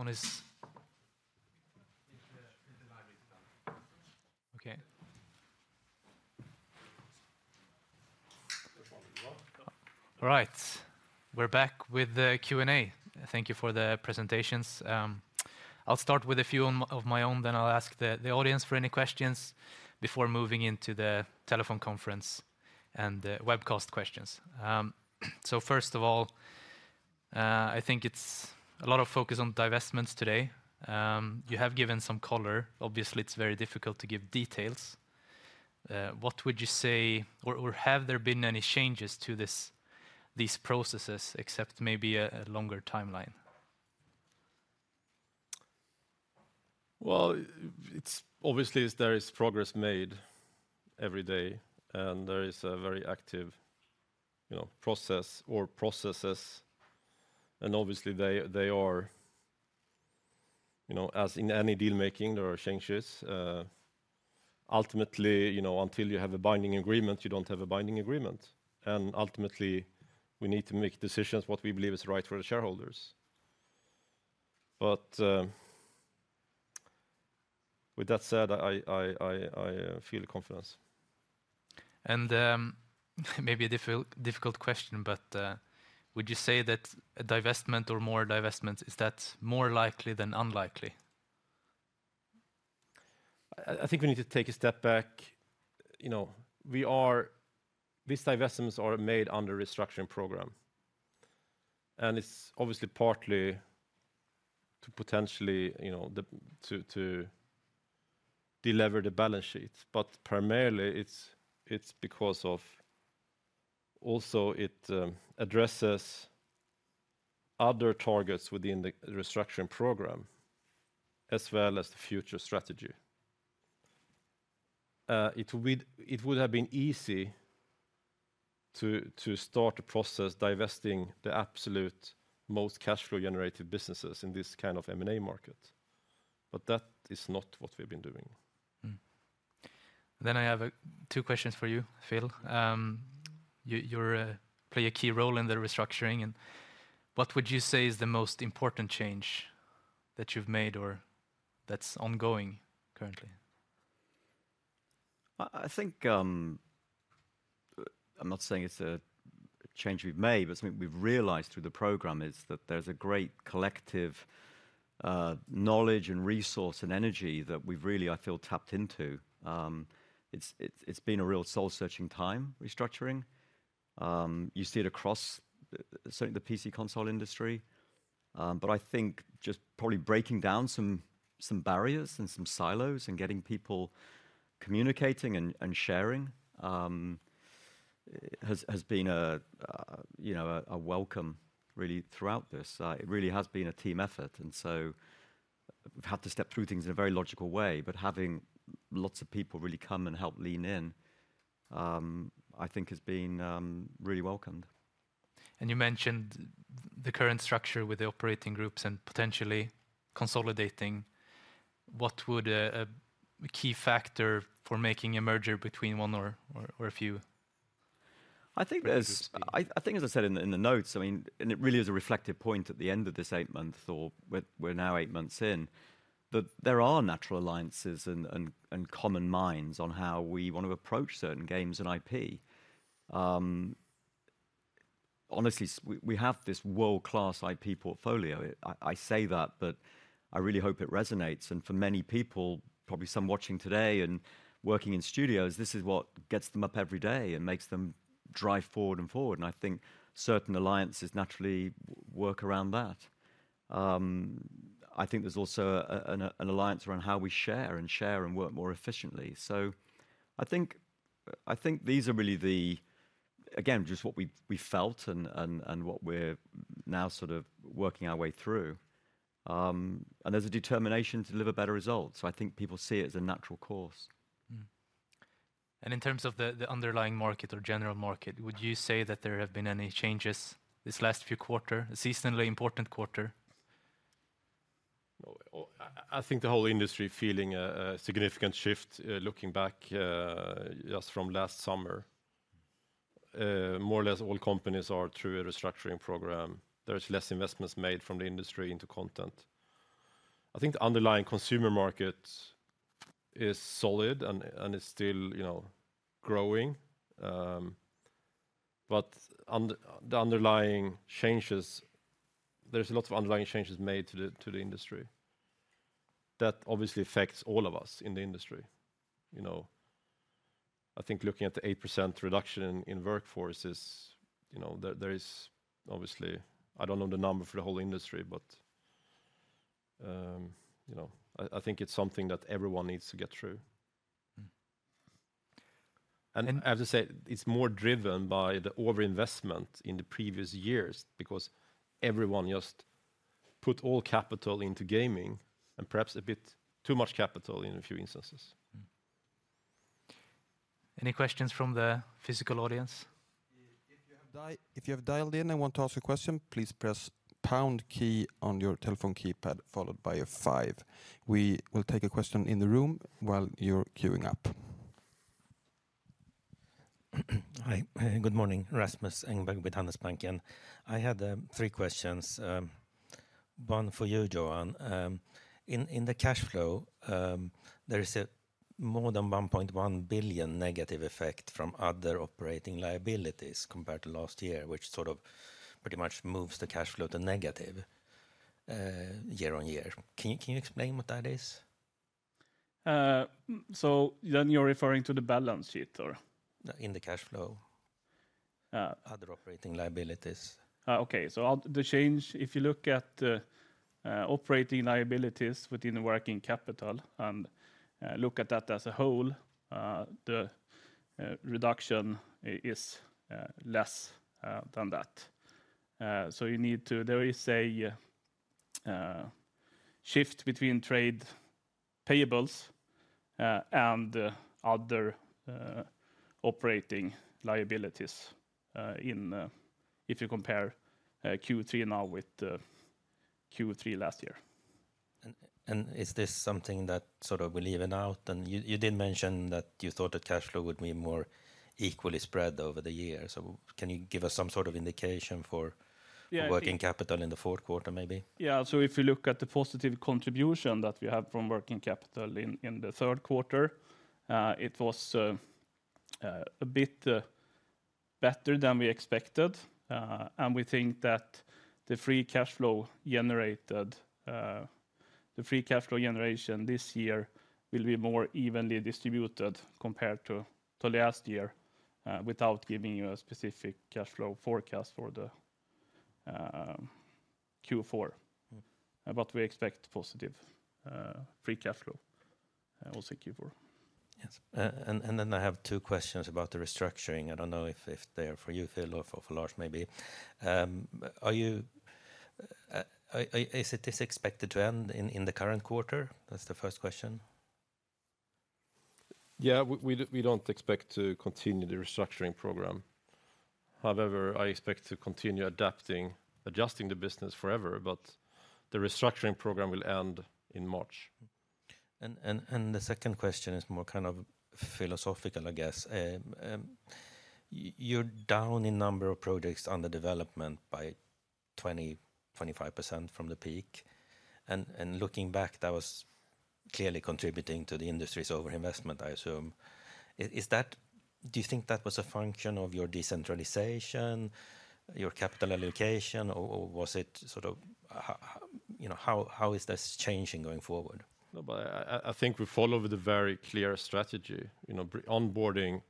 I don't know if my microphone is? It's, it's live. Okay. Well. All right, we're back with the Q&A. Thank you for the presentations. I'll start with a few of my own, then I'll ask the audience for any questions before moving into the telephone conference and the webcast questions. So first of all, I think it's a lot of focus on divestments today. You have given some color. Obviously, it's very difficult to give details. What would you say or have there been any changes to these processes except maybe a longer timeline? Well, it's obviously there is progress made every day, and there is a very active, you know, process or processes. And obviously, they are, you know, as in any deal-making, there are changes. Ultimately, you know, until you have a binding agreement, you don't have a binding agreement, and ultimately, we need to make decisions what we believe is right for the shareholders. But with that said, I feel confidence. Maybe a difficult question, but would you say that a divestment or more divestments, is that more likely than unlikely? I think we need to take a step back. You know, these divestments are made under restructuring program, and it's obviously partly to potentially, you know, to deliver the balance sheet. But primarily, it's because of, also, it addresses other targets within the restructuring program, as well as the future strategy. It would have been easy to start a process divesting the absolute most cash flow generative businesses in this kind of M&A market, but that is not what we've been doing. Then I have two questions for you, Phil. You play a key role in the restructuring. What would you say is the most important change that you've made or that's ongoing currently? I think, I'm not saying it's a change we've made, but something we've realized through the program is that there's a great collective knowledge and resource and energy that we've really, I feel, tapped into. It's been a real soul-searching time, restructuring. You see it across the, certainly the PC console industry. But I think just probably breaking down some barriers and some silos and getting people communicating and sharing has been a, you know, a welcome really throughout this. It really has been a team effort, and so we've had to step through things in a very logical way, but having lots of people really come and help lean in, I think has been really welcomed. You mentioned the current structure with the operative groups and potentially consolidating. What would a key factor for making a merger between one or a few? I think there's- Uh- I think as I said in the notes, I mean, and it really is a reflective point at the end of this eight months or we're now eight months in, that there are natural alliances and common minds on how we want to approach certain games and IP. Honestly, we have this world-class IP portfolio. I say that, but I really hope it resonates. And for many people, probably some watching today and working in studios, this is what gets them up every day and makes them drive forward and forward, and I think certain alliances naturally work around that. I think there's also an alliance around how we share and share and work more efficiently. So I think these are really the... Again, just what we felt and what we're now sort of working our way through. There's a determination to deliver better results, so I think people see it as a natural course. In terms of the underlying market or general market, would you say that there have been any changes this last few quarter, a seasonally important quarter? Well, I think the whole industry feeling a significant shift, looking back, just from last summer. More or less, all companies are through a restructuring program. There is less investments made from the industry into content. I think the underlying consumer market is solid and it's still, you know, growing. But the underlying changes, there's a lot of underlying changes made to the industry. That obviously affects all of us in the industry, you know. I think looking at the 8% reduction in workforce is, you know, there is obviously... I don't know the number for the whole industry, but, you know, I think it's something that everyone needs to get through. Mm. As I said, it's more driven by the overinvestment in the previous years because everyone just put all capital into gaming and perhaps a bit too much capital in a few instances. Any questions from the physical audience? If you have dialed in and want to ask a question, please press pound key on your telephone keypad, followed by a five. We will take a question in the room while you're queuing up. Hi, good morning. Rasmus Engberg with Handelsbanken. I had three questions. One for you, Johan. In the cash flow, there is a more than 1.1 billion negative effect from other operating liabilities compared to last year, which sort of pretty much moves the cash flow to negative year-over-year. Can you explain what that is? So then you're referring to the balance sheet or? In the cash flow. Uh. Other operating liabilities. Okay. So the change, if you look at the operating liabilities within the working capital and look at that as a whole, the reduction is less than that. So there is a shift between trade payables and other operating liabilities, if you compare Q3 now with the Q3 last year. Is this something that sort of will even out? And you did mention that you thought the cash flow would be more equally spread over the year. So can you give us some sort of indication for- Yeah, I. working capital in the fourth quarter, maybe? Yeah. So if you look at the positive contribution that we have from working capital in the third quarter, it was a bit better than we expected. And we think that the free cash flow generated, the free cash flow generation this year will be more evenly distributed compared to last year, without giving you a specific cash flow forecast for the Q4. Mm-hmm. But we expect positive free cash flow also Q4. Yes. And then I have two questions about the restructuring. I don't know if they are for you, Phil, or for Lars, maybe. Is it expected to end in the current quarter? That's the first question. Yeah, we don't expect to continue the restructuring program. However, I expect to continue adapting, adjusting the business forever, but the restructuring program will end in March. The second question is more kind of philosophical, I guess. You're down in number of projects under development by 25% from the peak. And looking back, that was clearly contributing to the industry's overinvestment, I assume. Is that-- Do you think that was a function of your decentralization, your capital allocation, or was it sort of you know... How is this changing going forward? No, but I think we follow with a very clear strategy, you know, onboarding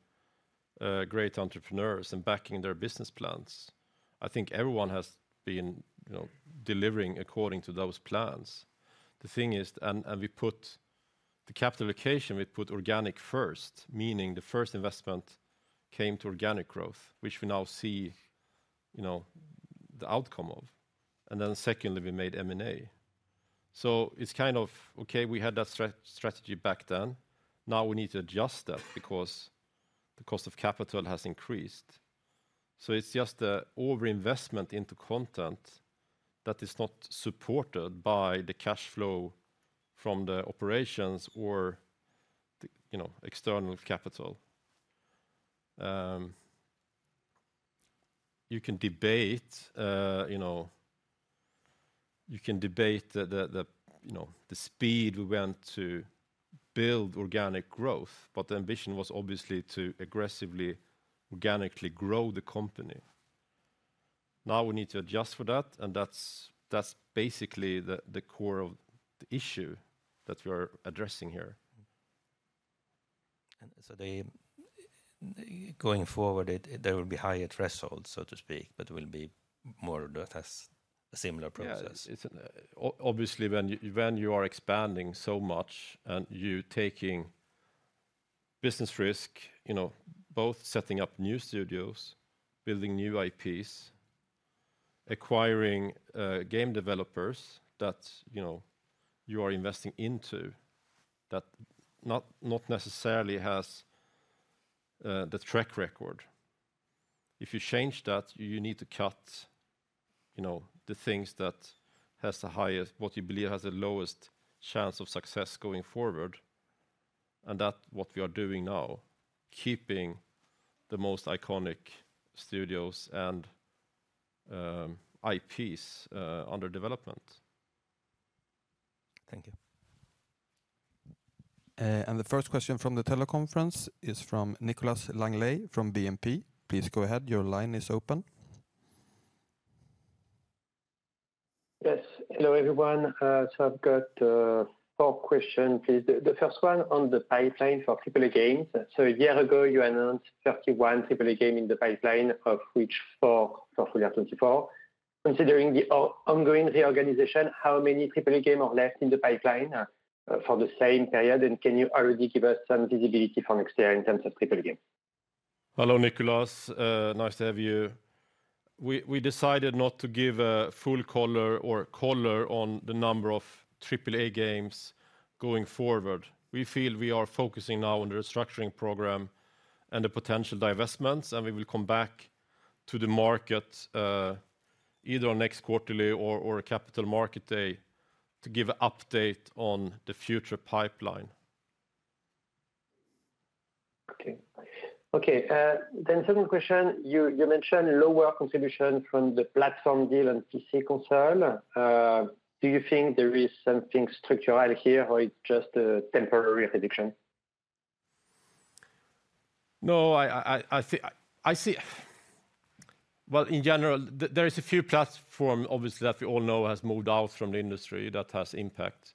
great entrepreneurs and backing their business plans. I think everyone has been, you know, delivering according to those plans. The thing is, and we put the capital allocation, we put organic first, meaning the first investment came to organic growth, which we now see, you know, the outcome of. And then secondly, we made M&A. So it's kind of, okay, we had that strategy back then. Now we need to adjust that because the cost of capital has increased. So it's just a overinvestment into content that is not supported by the cash flow from the operations or the, you know, external capital. You can debate, you know, the speed we want to build organic growth, but the ambition was obviously to aggressively, organically grow the company. Now, we need to adjust for that, and that's basically the core of the issue that we are addressing here. And so, going forward, there will be higher thresholds, so to speak, but will be more or less a similar process. Yeah, it's obviously, when you are expanding so much and you taking business risk, you know, both setting up new studios, building new IPs, acquiring game developers that, you know, you are investing into, that not necessarily has the track record. If you change that, you need to cut, you know, the things that has the highest—what you believe has the lowest chance of success going forward, and that what we are doing now, keeping the most iconic studios and IPs under development. Thank you. The first question from the teleconference is from Nicolas Langlet, from BNP. Please go ahead. Your line is open. Yes. Hello, everyone. So I've got four questions, please. The first one on the pipeline for AAA games. So a year ago, you announced 31 AAA game in the pipeline, of which four for Full Year 2024. Considering the ongoing reorganization, how many AAA game are left in the pipeline for the same period? And can you already give us some visibility for next year in terms of AAA game? Hello, Nicolas. Nice to have you. We decided not to give a full color on the number of AAA games going forward. We feel we are focusing now on the restructuring program and the potential divestments, and we will come back to the market, either next quarterly or a capital market day to give an update on the future pipeline. Okay. Okay, then second question. You mentioned lower contribution from the platform deal and PC console. Do you think there is something structural here, or it's just a temporary prediction? No, I think, I see. Well, in general, there is a few platforms, obviously, that we all know has moved out from the industry that has impact.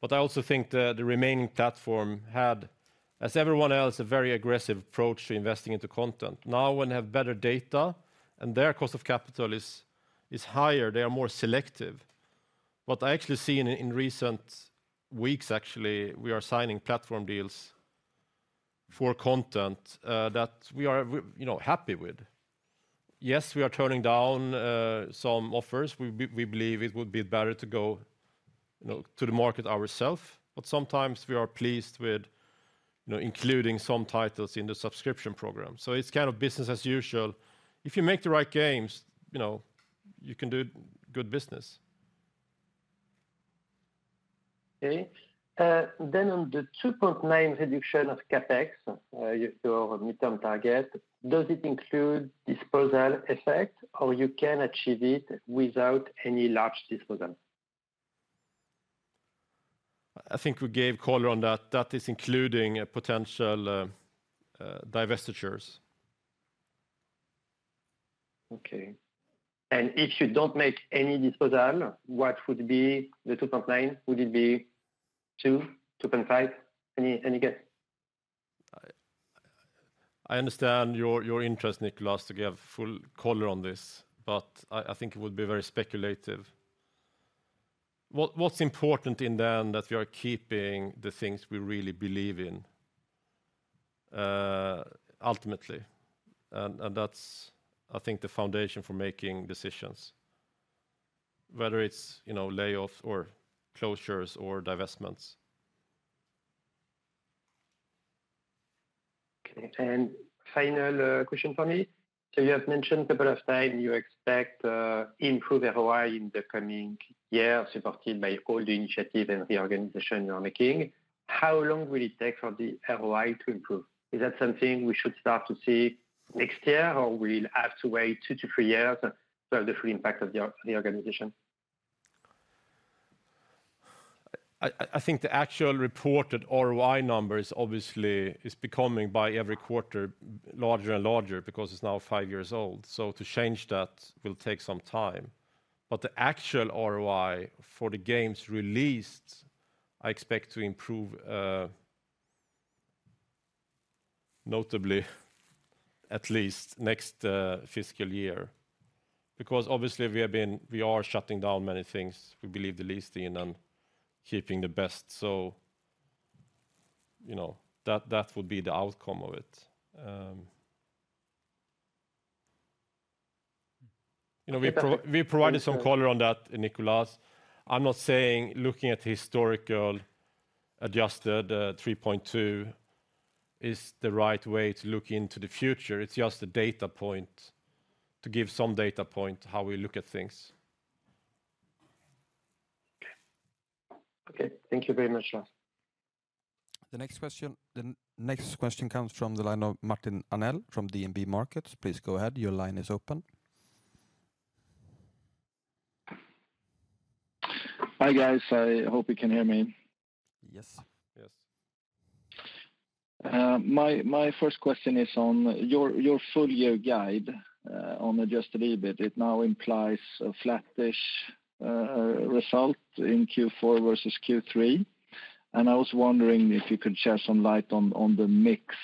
But I also think the remaining platform had, as everyone else, a very aggressive approach to investing into content. Now when they have better data and their cost of capital is higher, they are more selective. What I actually see in recent weeks, actually, we are signing platform deals for content that we are, you know, happy with. Yes, we are turning down some offers. We believe it would be better to go, you know, to the market ourself, but sometimes we are pleased with, you know, including some titles in the subscription program. So it's kind of business as usual. If you make the right games, you know, you can do good business. Okay. Then on the 2.9 reduction of CapEx, your midterm target, does it include disposal effect, or you can achieve it without any large disposal? I think we gave color on that. That is including potential divestitures. Okay. And if you don't make any disposal, what would be the 2.9? Would it be 2-2.5? Any, any guess? I understand your interest, Nicolas, to give full color on this, but I think it would be very speculative. What's important in the end, that we are keeping the things we really believe in, ultimately, and that's, I think, the foundation for making decisions, whether it's, you know, layoffs or closures or divestments. Okay, and final question for me. So you have mentioned a couple of time you expect improved ROI in the coming year, supported by all the initiative and the organization you are making. How long will it take for the ROI to improve? Is that something we should start to see next year, or we'll have to wait two to three years for the full impact of the organization? I think the actual reported ROI number is obviously becoming by every quarter larger and larger because it's now five years old, so to change that will take some time. But the actual ROI for the games released, I expect to improve notably at least next fiscal year. Because obviously, we are shutting down many things we believe the least in and keeping the best. So, you know, that would be the outcome of it. You know, we provided some color on that, Nicolas. I'm not saying looking at the historical adjusted 3.2 is the right way to look into the future. It's just a data point to give some data point how we look at things. Okay. Okay, thank you very much, Johan. The next question, the next question comes from the line of Martin Arnell from DNB Markets. Please go ahead. Your line is open. Hi, guys. I hope you can hear me. Yes. Yes. My first question is on your full-year guide on adjusted EBIT. It now implies a flattish result in Q4 versus Q3. And I was wondering if you could share some light on the mix,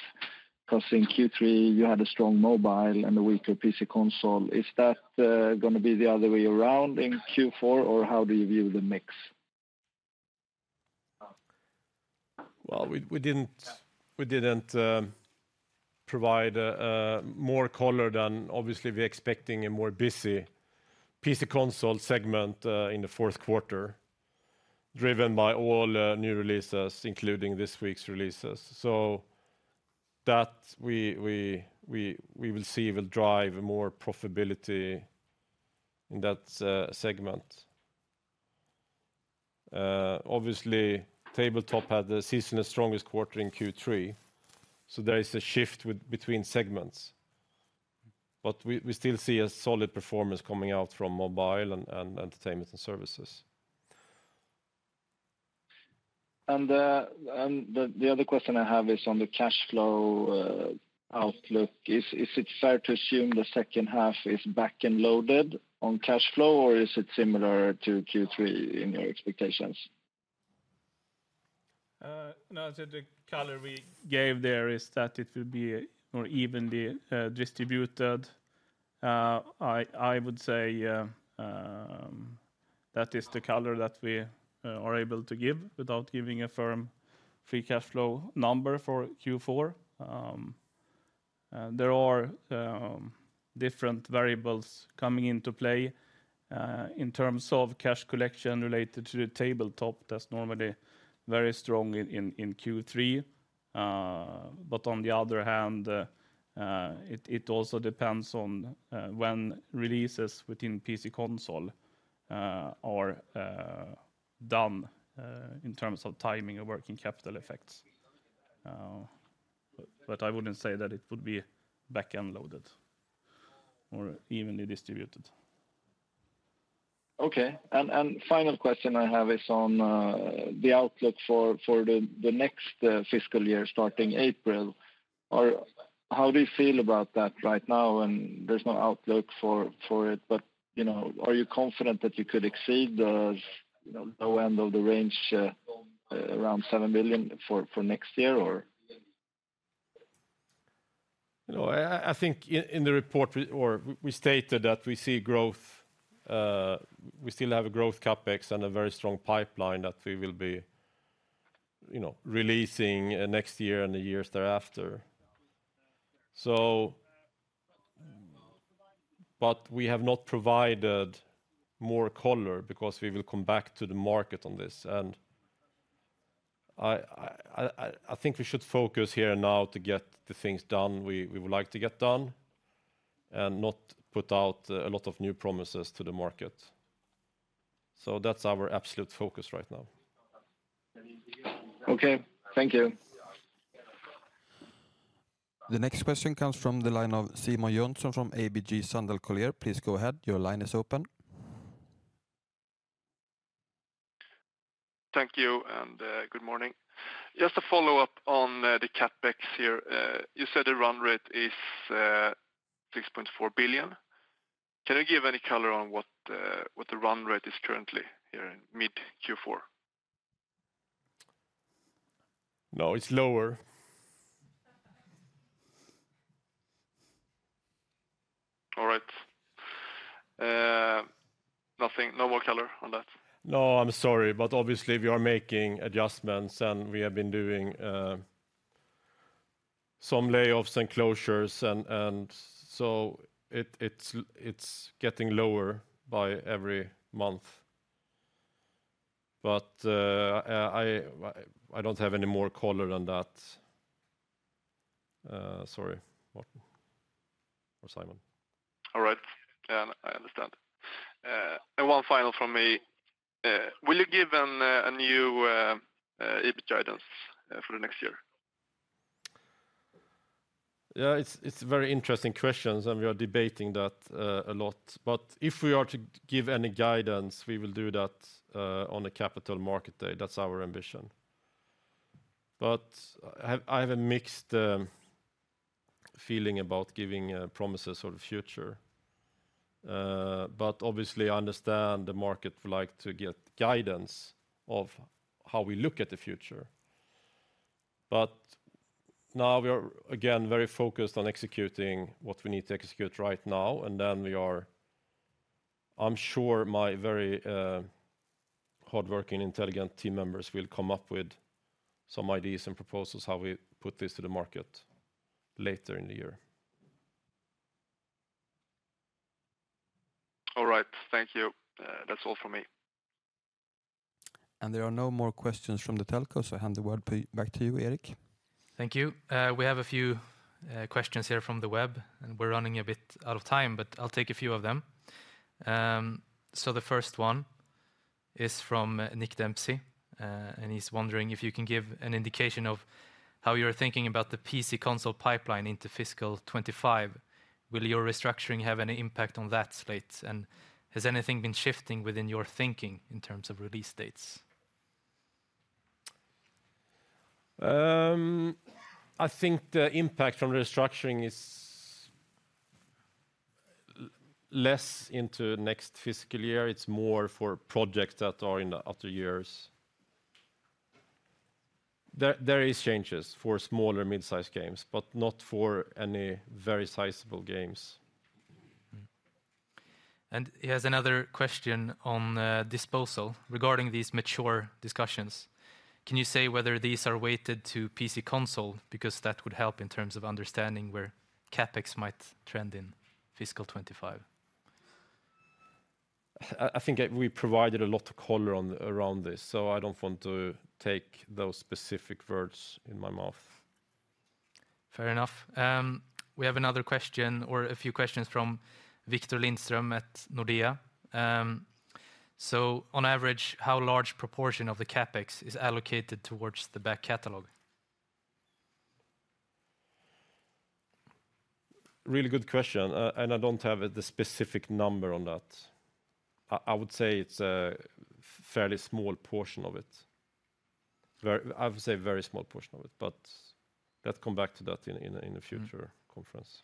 'cause in Q3, you had a strong mobile and a weaker PC console. Is that gonna be the other way around in Q4, or how do you view the mix? Well, we didn't provide more color than obviously we're expecting a more busy PC console segment in the fourth quarter, driven by all new releases, including this week's releases. So that we will see will drive more profitability in that segment. Obviously, tabletop had the season's strongest quarter in Q3, so there is a shift between segments, but we still see a solid performance coming out from mobile and entertainment and services. The other question I have is on the cash flow outlook. Is it fair to assume the second half is back-loaded on cash flow, or is it similar to Q3 in your expectations? No, I said the color we gave there is that it will be more evenly distributed. I would say that is the color that we are able to give without giving a firm free cash flow number for Q4. There are different variables coming into play in terms of cash collection related to the tabletop that's normally very strong in Q3. But on the other hand, it also depends on when releases within PC/Console are done in terms of timing and working capital effects. But I wouldn't say that it would be back-end loaded or evenly distributed. Okay. And final question I have is on the outlook for the next fiscal year, starting April. Or how do you feel about that right now? And there's no outlook for it, but you know, are you confident that you could exceed the you know low end of the range around 7 billion for next year, or? No, I think in the report we stated that we see growth. We still have a growth CapEx and a very strong pipeline that we will be, you know, releasing next year and the years thereafter. But we have not provided more color because we will come back to the market on this, and I think we should focus here and now to get the things done we would like to get done, and not put out a lot of new promises to the market. So that's our absolute focus right now. Okay, thank you. The next question comes from the line of Simon Jönsson from ABG Sundal Collier. Please go ahead. Your line is open. Thank you, and good morning. Just a follow-up on the CapEx here. You said the run rate is 6.4 billion. Can you give any color on what the run rate is currently here in mid Q4? No, it's lower. All right. Nothing, no more color on that? No, I'm sorry, but obviously we are making adjustments, and we have been doing some layoffs and closures, and so it's getting lower by every month. But I don't have any more color than that. Sorry. What? For Simon. All right. Yeah, I understand. And one final from me. Will you give a new EBIT guidance for the next year? Yeah, it's very interesting questions, and we are debating that a lot. But if we are to give any guidance, we will do that on a capital market day. That's our ambition. But I have a mixed feeling about giving promises for the future. But obviously, I understand the market would like to get guidance of how we look at the future. But now we are, again, very focused on executing what we need to execute right now, and then we are... I'm sure my very hardworking, intelligent team members will come up with some ideas and proposals, how we put this to the market later in the year. All right. Thank you. That's all for me. There are no more questions from the telco, so I hand the word back to you, Erik. Thank you. We have a few questions here from the web, and we're running a bit out of time, but I'll take a few of them. So the first one is from Nick Dempsey, and he's wondering if you can give an indication of how you're thinking about the PC/Console pipeline into fiscal 25. Will your restructuring have any impact on that slate? And has anything been shifting within your thinking in terms of release dates? I think the impact from restructuring is less into next fiscal year. It's more for projects that are in the other years. There is changes for small and mid-sized games, but not for any very sizable games. Mm-hmm. And he has another question on the disposal regarding these mature discussions. Can you say whether these are weighted to PC/Console? Because that would help in terms of understanding where CapEx might trend in fiscal 25. I think we provided a lot of color on around this, so I don't want to take those specific words in my mouth. Fair enough. We have another question or a few questions from Victor Lindström at Nordea. So on average, how large proportion of the CapEx is allocated towards the back catalog? Really good question, and I don't have the specific number on that. I would say it's a fairly small portion of it. Very, I would say a very small portion of it, but let's come back to that in a future- Mm-hmm Conference.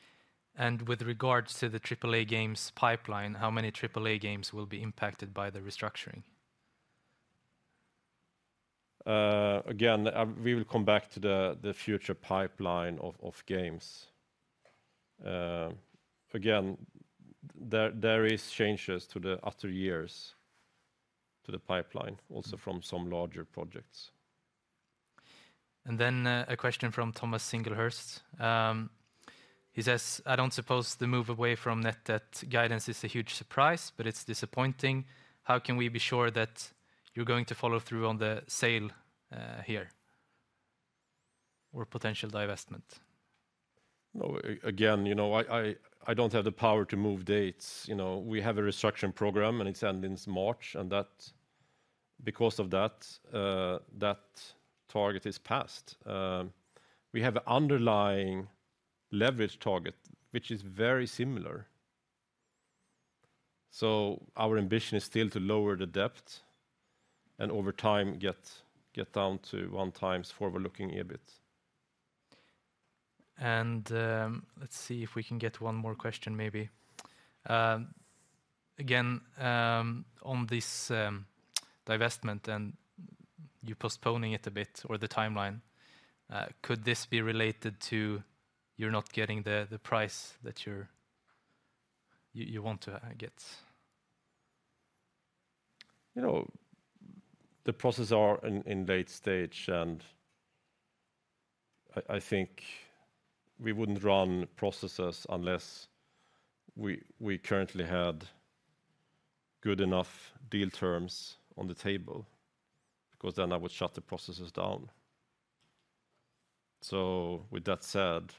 With regards to the AAA games pipeline, how many AAA games will be impacted by the restructuring? Again, we will come back to the future pipeline of games. Again, there is changes to the other years, to the pipeline, also from some larger projects. And then, a question from Thomas Singlehurst. He says: "I don't suppose the move away from net debt guidance is a huge surprise, but it's disappointing. How can we be sure that you're going to follow through on the sale, here, or potential divestment? No, again, you know, I don't have the power to move dates. You know, we have a restructuring program, and it ends in March, and that, because of that, that target is passed. We have an underlying leverage target, which is very similar. So our ambition is still to lower the debt and over time, get down to one times forward-looking EBIT. Let's see if we can get one more question, maybe. Again, on this divestment, and you postponing it a bit or the timeline, could this be related to you're not getting the price that you want to get? You know, the processes are in late stage, and I think we wouldn't run processes unless we currently had good enough deal terms on the table, because then I would shut the processes down. So with that said,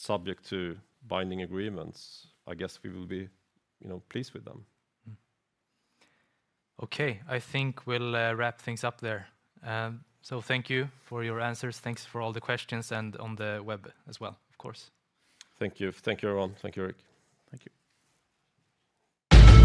subject to binding agreements, I guess we will be, you know, pleased with them. Mm-hmm. Okay, I think we'll wrap things up there. Thank you for your answers. Thanks for all the questions and on the web as well, of course. Thank you. Thank you, everyone. Thank you, Erik. Thank you.